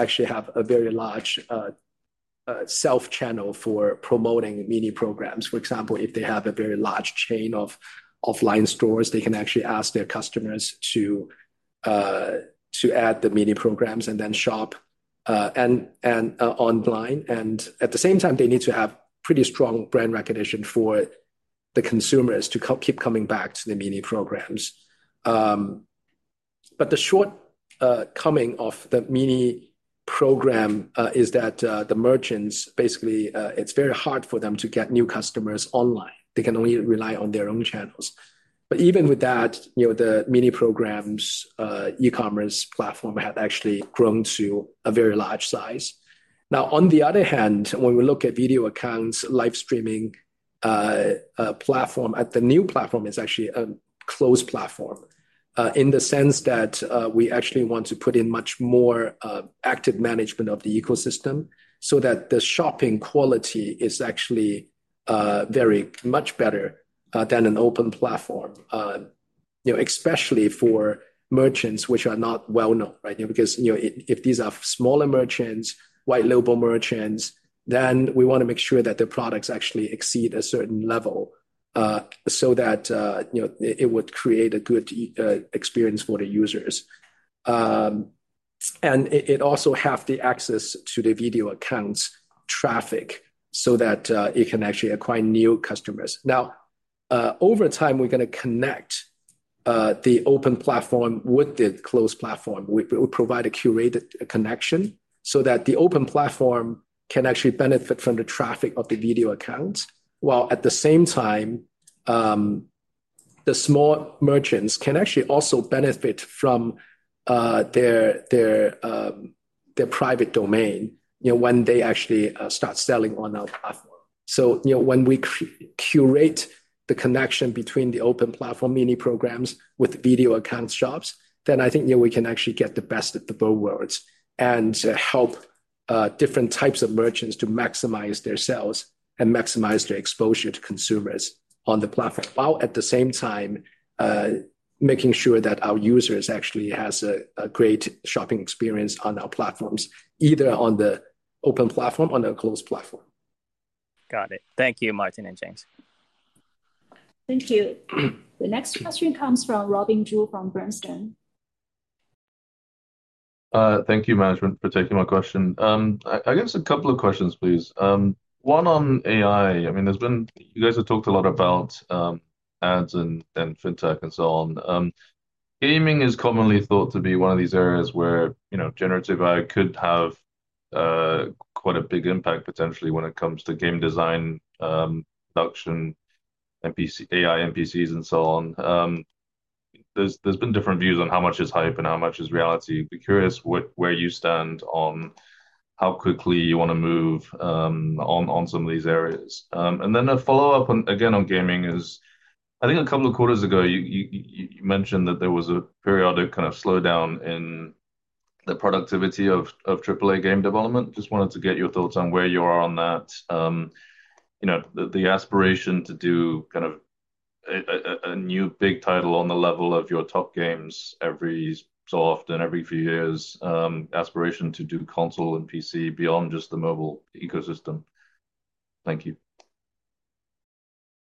actually have a very large sales channel for promoting mini-programs. For example, if they have a very large chain of offline stores, they can actually ask their customers to add the mini-programs and then shop online. At the same time, they need to have pretty strong brand recognition for the consumers to keep coming back to the mini-programs. But the shortcoming of the mini-program is that the merchants, basically, it's very hard for them to get new customers online. They can only rely on their own channels. But even with that, the mini-programs e-commerce platform had actually grown to a very large size. Now, on the other hand, when we look at Video Accounts, live streaming platform, the new platform is actually a closed platform in the sense that we actually want to put in much more active management of the ecosystem so that the shopping quality is actually very much better than an open platform, especially for merchants which are not well-known, right? Because if these are smaller merchants, white label merchants, then we want to make sure that their products actually exceed a certain level so that it would create a good experience for the users. It also has the access to the Video Accounts traffic so that it can actually acquire new customers. Now, over time, we're going to connect the open platform with the closed platform. We provide a curated connection so that the open platform can actually benefit from the traffic of the Video Accounts. While at the same time, the small merchants can actually also benefit from their private domain when they actually start selling on our platform. So when we curate the connection between the open platform mini-programs with Video Accounts shops, then I think we can actually get the best of both worlds and help different types of merchants to maximize their sales and maximize their exposure to consumers on the platform, while at the same time, making sure that our users actually have a great shopping experience on our platforms, either on the open platform or the closed platform. Got it. Thank you, Martin and James. Thank you. The next question comes from Robin Zhu from Bernstein. Thank you, management, for taking my question. I guess a couple of questions, please. One on AI. I mean, you guys have talked a lot about ads and fintech and so on. Gaming is commonly thought to be one of these areas where generative AI could have quite a big impact potentially when it comes to game design, production, AI NPCs, and so on. There's been different views on how much is hype and how much is reality. I'd be curious where you stand on how quickly you want to move on some of these areas. Then a follow-up again on gaming is I think a couple of quarters ago, you mentioned that there was a periodic kind of slowdown in the productivity of AAA game development. Just wanted to get your thoughts on where you are on that. The aspiration to do kind of a new big title on the level of your top games every so often, every few years, aspiration to do console and PC beyond just the mobile ecosystem? Thank you.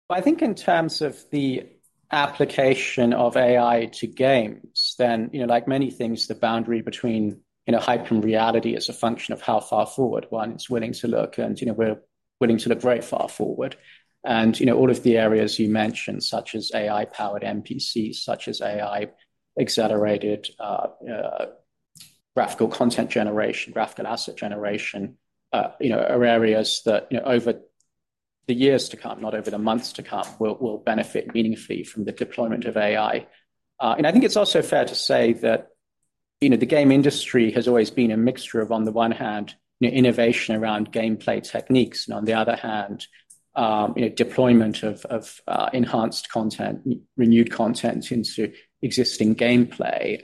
I think in terms of the application of AI to games, then like many things, the boundary between hype and reality is a function of how far forward one is willing to look and we're willing to look very far forward. And all of the areas you mentioned, such as AI-powered NPCs, such as AI-accelerated graphical content generation, graphical asset generation, are areas that over the years to come, not over the months to come, will benefit meaningfully from the deployment of AI. And I think it's also fair to say that the game industry has always been a mixture of, on the one hand, innovation around gameplay techniques and, on the other hand, deployment of enhanced content, renewed content into existing gameplay.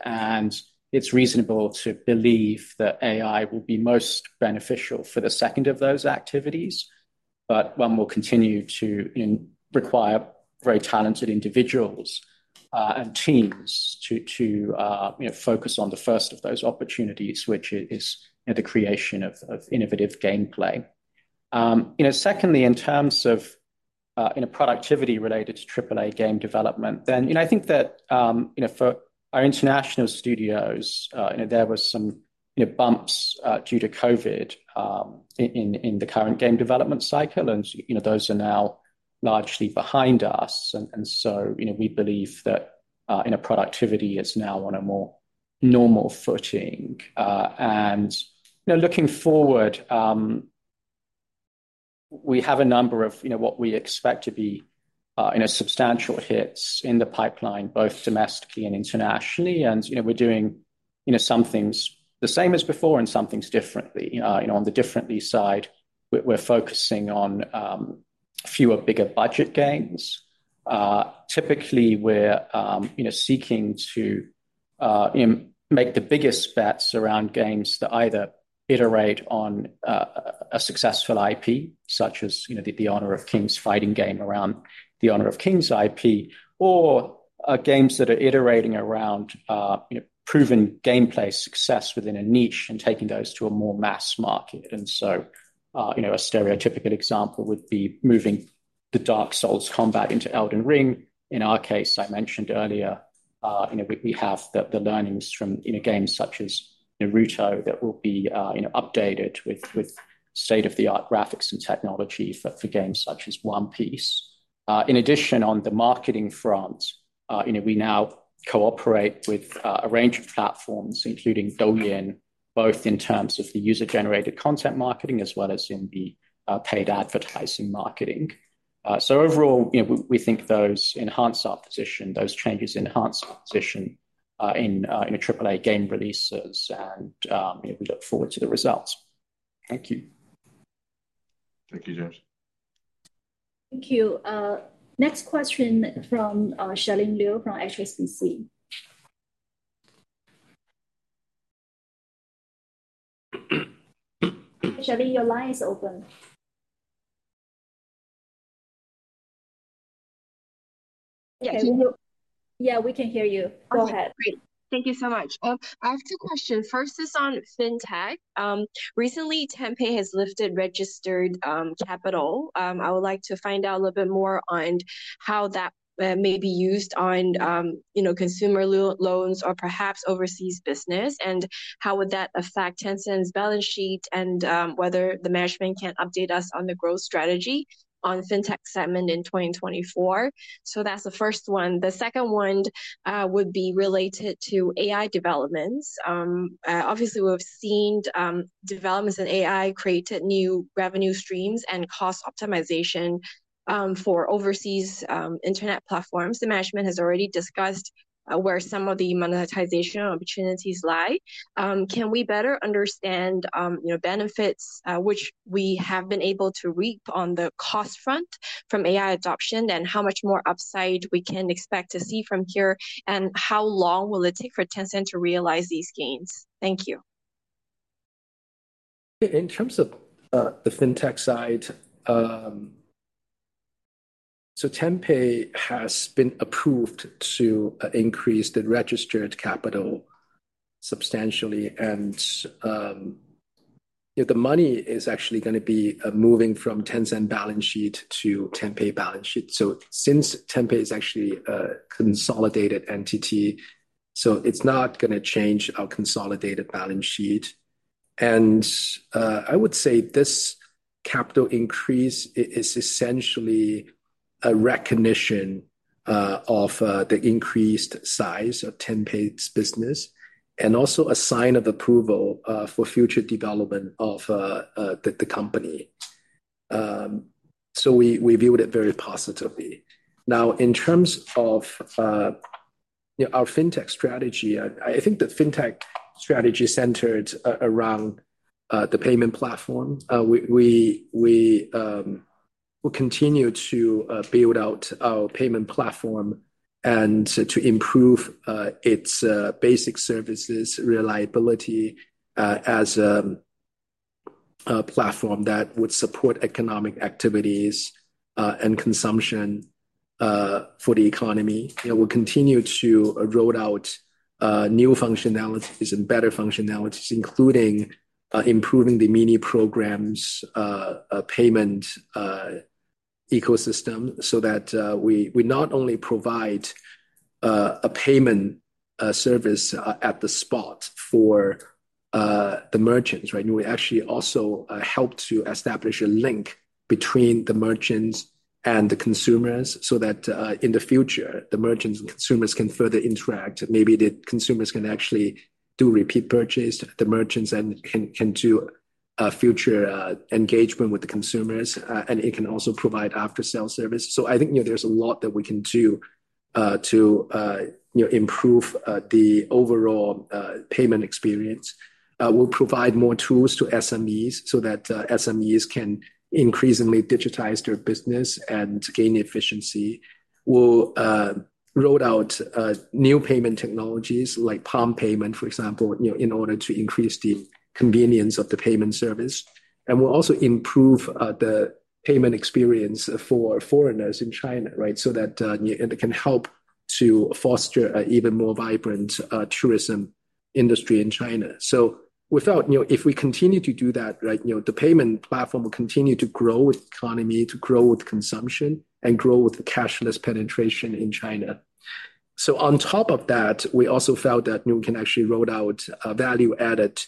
It's reasonable to believe that AI will be most beneficial for the second of those activities, but one will continue to require very talented individuals and teams to focus on the first of those opportunities, which is the creation of innovative gameplay. Secondly, in terms of productivity related to AAA game development, then I think that for our international studios, there were some bumps due to COVID in the current game development cycle, and those are now largely behind us. So we believe that productivity is now on a more normal footing. Looking forward, we have a number of what we expect to be substantial hits in the pipeline, both domestically and internationally. We're doing some things the same as before and some things differently. On the differently side, we're focusing on fewer bigger budget games. Typically, we're seeking to make the biggest bets around games that either iterate on a successful IP, such as the Honor of Kings fighting game around the Honor of Kings IP, or games that are iterating around proven gameplay success within a niche and taking those to a more mass market. So a stereotypical example would be moving the Dark Souls combat into Elden Ring. In our case, I mentioned earlier, we have the learnings from games such as Naruto that will be updated with state-of-the-art graphics and technology for games such as One Piece. In addition, on the marketing front, we now cooperate with a range of platforms, including Douyin, both in terms of the user-generated content marketing as well as in the paid advertising marketing. So overall, we think those enhance our position, those changes enhance our position in AAA game releases, and we look forward to the results. Thank you. Thank you, James. Thank you. Next question from Charlene Liu from HSBC. Charlene, your line is open. Can you? Yeah, we can hear you. Go ahead. Great. Thank you so much. I have two questions. First is on fintech. Recently, Tencent has lifted registered capital. I would like to find out a little bit more on how that may be used on consumer loans or perhaps overseas business, and how would that affect Tencent's balance sheet and whether the management can update us on the growth strategy on fintech segment in 2024. So that's the first one. The second one would be related to AI developments. Obviously, we've seen developments in AI create new revenue streams and cost optimization for overseas internet platforms. The management has already discussed where some of the monetization opportunities lie. Can we better understand benefits, which we have been able to reap on the cost front from AI adoption, and how much more upside we can expect to see from here, and how long will it take for Tencent to realize these gains? Thank you. In terms of the fintech side, Tencent has been approved to increase the registered capital substantially, and the money is actually going to be moving from Tencent balance sheet to Tencent balance sheet. Since Tencent is actually a consolidated entity, it's not going to change our consolidated balance sheet. I would say this capital increase is essentially a recognition of the increased size of Tencent's business and also a sign of approval for future development of the company. We viewed it very positively. Now, in terms of our fintech strategy, I think the fintech strategy centered around the payment platform. We will continue to build out our payment platform and to improve its basic services reliability as a platform that would support economic activities and consumption for the economy. We'll continue to roll out new functionalities and better functionalities, including improving the mini-programs payment ecosystem so that we not only provide a payment service at the spot for the merchants, right? We actually also help to establish a link between the merchants and the consumers so that in the future, the merchants and consumers can further interact. Maybe the consumers can actually do repeat purchases, the merchants can do future engagement with the consumers, and it can also provide after-sale service. So I think there's a lot that we can do to improve the overall payment experience. We'll provide more tools to SMEs so that SMEs can increasingly digitize their business and gain efficiency. We'll roll out new payment technologies like Palm Payment, for example, in order to increase the convenience of the payment service. And we'll also improve the payment experience for foreigners in China, right, so that it can help to foster an even more vibrant tourism industry in China. So if we continue to do that, right, the payment platform will continue to grow with the economy, to grow with consumption, and grow with cashless penetration in China. So on top of that, we also felt that we can actually roll out value-added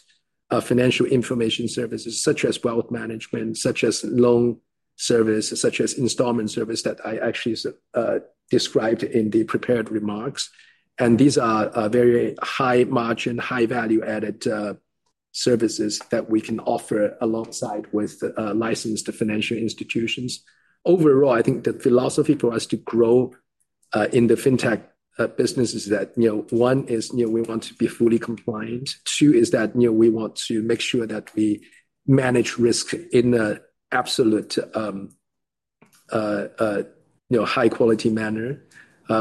financial information services, such as wealth management, such as loan service, such as installment service that I actually described in the prepared remarks. And these are very high-margin, high-value-added services that we can offer alongside with licensed financial institutions. Overall, I think the philosophy for us to grow in the fintech business is that, one, is we want to be fully compliant. Two, is that we want to make sure that we manage risk in an absolute high-quality manner.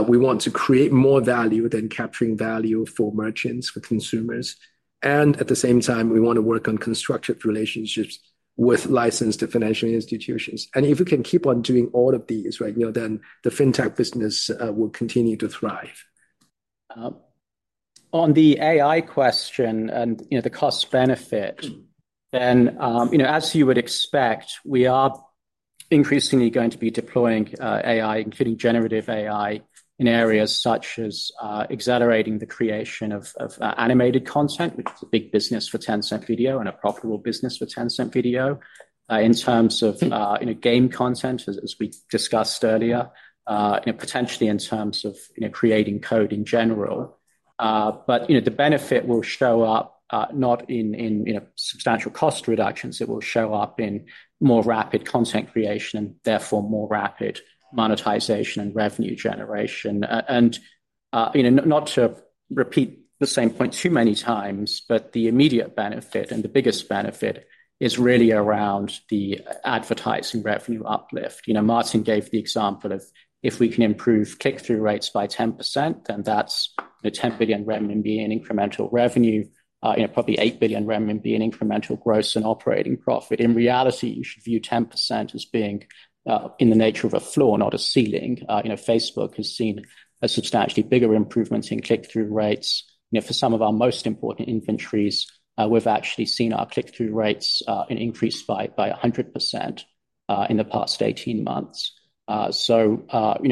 We want to create more value than capturing value for merchants, for consumers. And at the same time, we want to work on constructive relationships with licensed financial institutions. And if we can keep on doing all of these, right, then the fintech business will continue to thrive. On the AI question and the cost-benefit, as you would expect, we are increasingly going to be deploying AI, including generative AI, in areas such as accelerating the creation of animated content, which is a big business for Tencent Video and a profitable business for Tencent Video, in terms of game content, as we discussed earlier, potentially in terms of creating code in general. But the benefit will show up not in substantial cost reductions. It will show up in more rapid content creation and, therefore, more rapid monetization and revenue generation. And not to repeat the same point too many times, but the immediate benefit and the biggest benefit is really around the advertising revenue uplift. Martin gave the example of if we can improve click-through rates by 10%, then that's 10 billion RMB in incremental revenue, probably 8 billion RMB in incremental gross and operating profit. In reality, you should view 10% as being in the nature of a floor, not a ceiling. Facebook has seen a substantially bigger improvement in click-through rates. For some of our most important inventories, we've actually seen our click-through rates increase by 100% in the past 18 months. So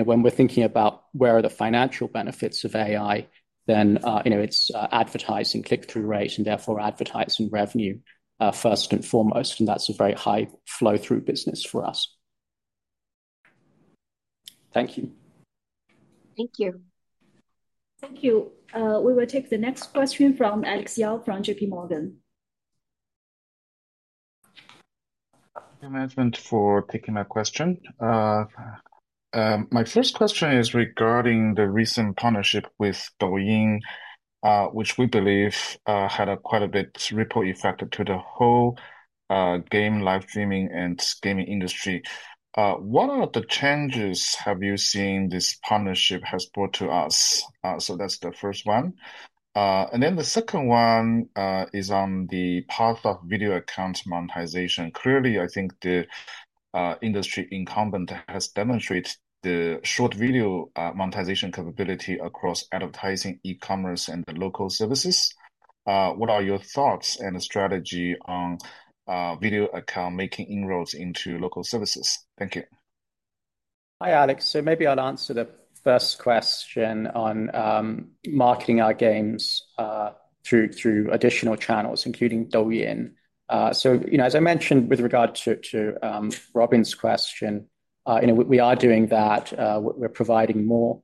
when we're thinking about where are the financial benefits of AI, then it's advertising click-through rate and, therefore, advertising revenue first and foremost. And that's a very high-flow-through business for us. Thank you. Thank you. Thank you. We will take the next question from Alex Yao from JPMorgan. Thank you, management, for taking my question. My first question is regarding the recent partnership with Douyin, which we believe had quite a bit of ripple effect to the whole game live-streaming and gaming industry. What are the changes have you seen this partnership has brought to us? So that's the first one. And then the second one is on the path of Video Accounts monetization. Clearly, I think the industry incumbent has demonstrated the short video monetization capability across advertising, e-commerce, and the local services. What are your thoughts and strategy on Video Accounts making inroads into local services? Thank you. Hi, Alex. So maybe I'll answer the first question on marketing our games through additional channels, including Douyin. So as I mentioned with regard to Robin's question, we are doing that. We're providing more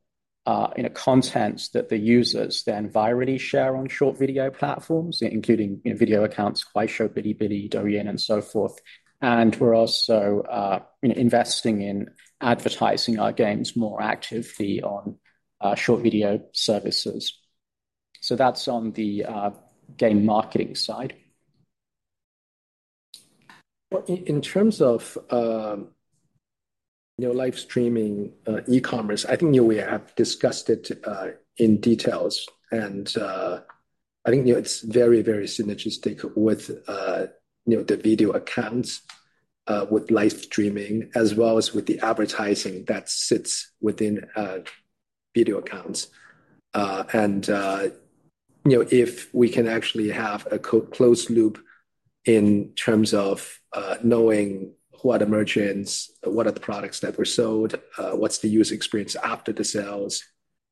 content that the users then virally share on short video platforms, including Video Accounts like Xiaohongshu, Bilibili, Douyin, and so forth. And we're also investing in advertising our games more actively on short video services. So that's on the game marketing side. In terms of live-streaming e-commerce, I think we have discussed it in detail. I think it's very, very synergistic with the Video Accounts, with live-streaming, as well as with the advertising that sits within Video Accounts. If we can actually have a closed loop in terms of knowing what are merchants, what are the products that were sold, what's the user experience after the sales,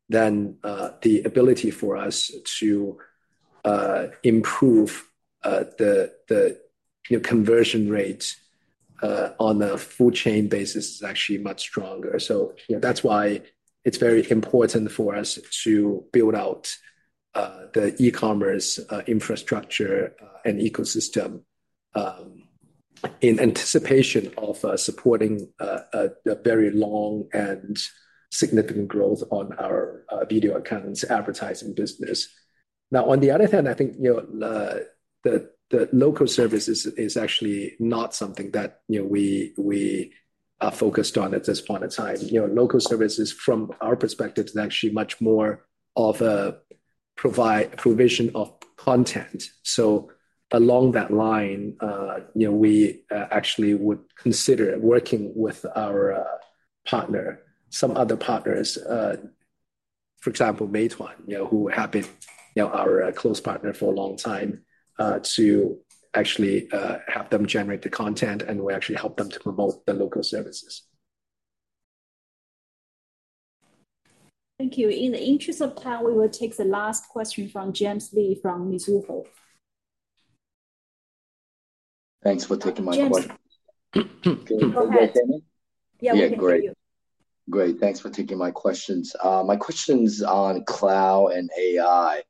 then the ability for us to improve the conversion rate on a full-chain basis is actually much stronger. That's why it's very important for us to build out the e-commerce infrastructure and ecosystem in anticipation of supporting a very long and significant growth on our Video Accounts advertising business. Now, on the other hand, I think the local service is actually not something that we are focused on at this point in time. Local services, from our perspective, is actually much more of a provision of content. So along that line, we actually would consider working with our partner, some other partners, for example, Meituan, who have been our close partner for a long time, to actually have them generate the content, and we actually help them to promote the local services. Thank you. In the interest of time, we will take the last question from James Lee from Mizuho. Thanks for taking my question. James, go ahead. Can you hear me? Yeah, we can hear you. Yeah, great. Great. Thanks for taking my questions. My question is on cloud and AI.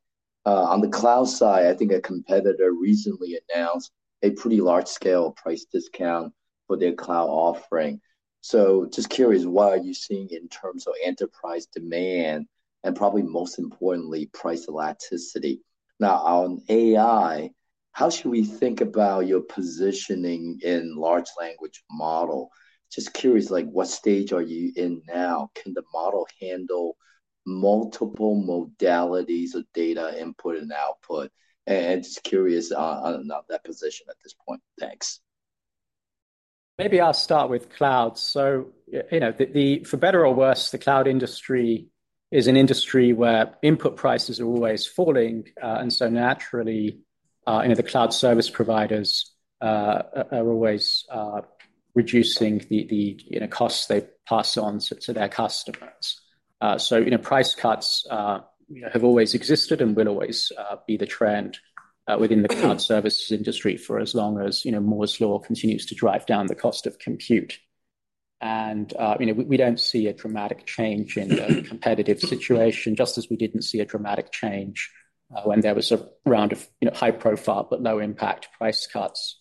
On the cloud side, I think a competitor recently announced a pretty large-scale price discount for their cloud offering. So just curious, what are you seeing in terms of enterprise demand and probably most importantly, price elasticity? Now, on AI, how should we think about your positioning in large language model? Just curious, what stage are you in now? Can the model handle multiple modalities of data input and output? And just curious on that position at this point. Thanks. Maybe I'll start with cloud. So for better or worse, the cloud industry is an industry where input prices are always falling. And so naturally, the cloud service providers are always reducing the costs they pass on to their customers. So price cuts have always existed and will always be the trend within the cloud services industry for as long as Moore's Law continues to drive down the cost of compute. And we don't see a dramatic change in the competitive situation, just as we didn't see a dramatic change when there was a round of high-profile but low-impact price cuts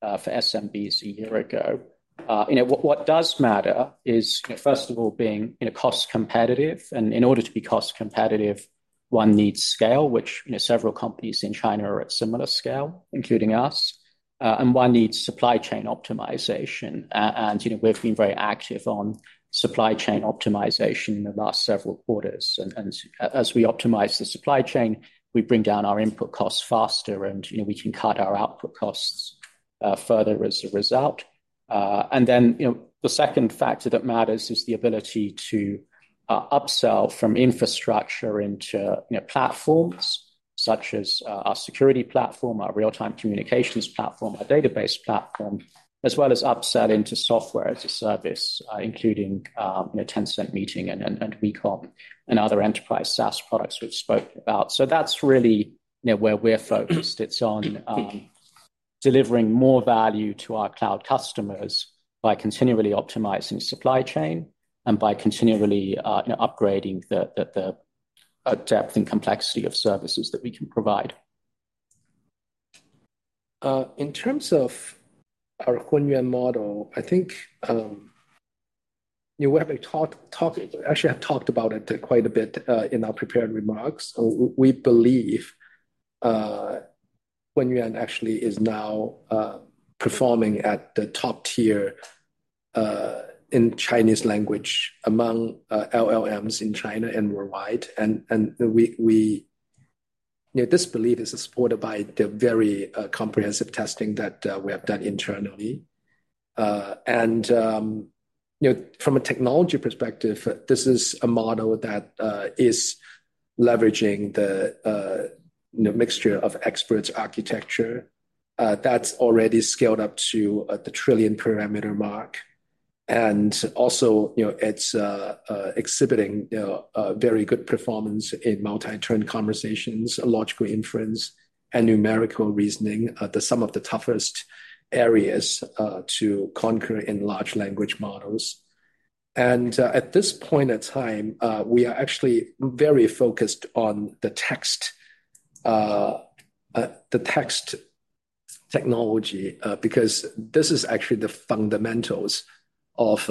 for SMBs a year ago. What does matter is, first of all, being cost-competitive. And in order to be cost-competitive, one needs scale, which several companies in China are at similar scale, including us. And one needs supply chain optimization. And we've been very active on supply chain optimization in the last several quarters. And as we optimize the supply chain, we bring down our input costs faster, and we can cut our output costs further as a result. And then the second factor that matters is the ability to upsell from infrastructure into platforms such as our security platform, our real-time communications platform, our database platform, as well as upsell into software as a service, including Tencent Meeting and WeCom and other enterprise SaaS products we've spoken about. So that's really where we're focused. It's on delivering more value to our cloud customers by continually optimizing supply chain and by continually upgrading the depth and complexity of services that we can provide. In terms of our Hunyuan model, I think we actually have talked about it quite a bit in our prepared remarks. We believe Hunyuan actually is now performing at the top tier in Chinese language among LLMs in China and worldwide. This belief is supported by the very comprehensive testing that we have done internally. From a technology perspective, this is a model that is leveraging the mixture of experts architecture that's already scaled up to the trillion-parameter mark. Also, it's exhibiting very good performance in multi-turn conversations, logical inference, and numerical reasoning, some of the toughest areas to conquer in large language models. At this point in time, we are actually very focused on the text technology because this is actually the fundamentals of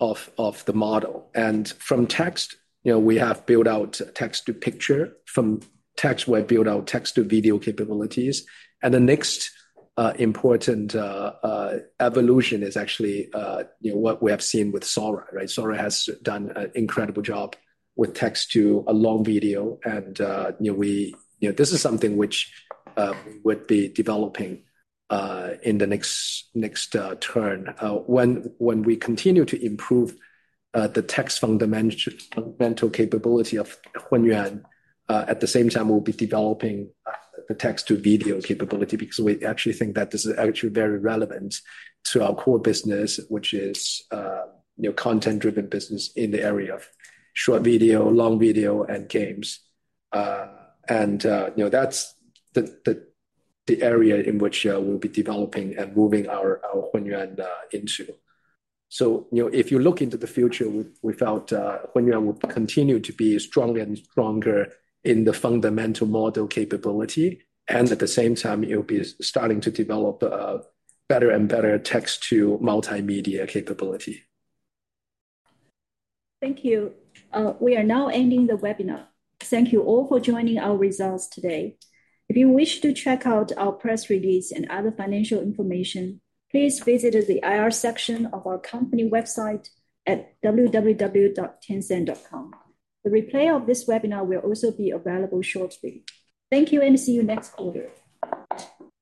the model. From text, we have built out text-to-picture. From text, we have built out text-to-video capabilities. The next important evolution is actually what we have seen with Sora, right? Sora has done an incredible job with text-to-a-long video. This is something which we would be developing in the next turn. When we continue to improve the text fundamental capability of Hunyuan, at the same time, we'll be developing the text-to-video capability because we actually think that this is actually very relevant to our core business, which is a content-driven business in the area of short video, long video, and games. That's the area in which we'll be developing and moving our Hunyuan into. If you look into the future, we felt Hunyuan would continue to be stronger and stronger in the fundamental model capability. At the same time, it'll be starting to develop better and better text-to-multimedia capability. Thank you. We are now ending the webinar. Thank you all for joining our results today. If you wish to check out our press release and other financial information, please visit the IR section of our company website at www.tencent.com. The replay of this webinar will also be available shortly. Thank you, and see you next quarter.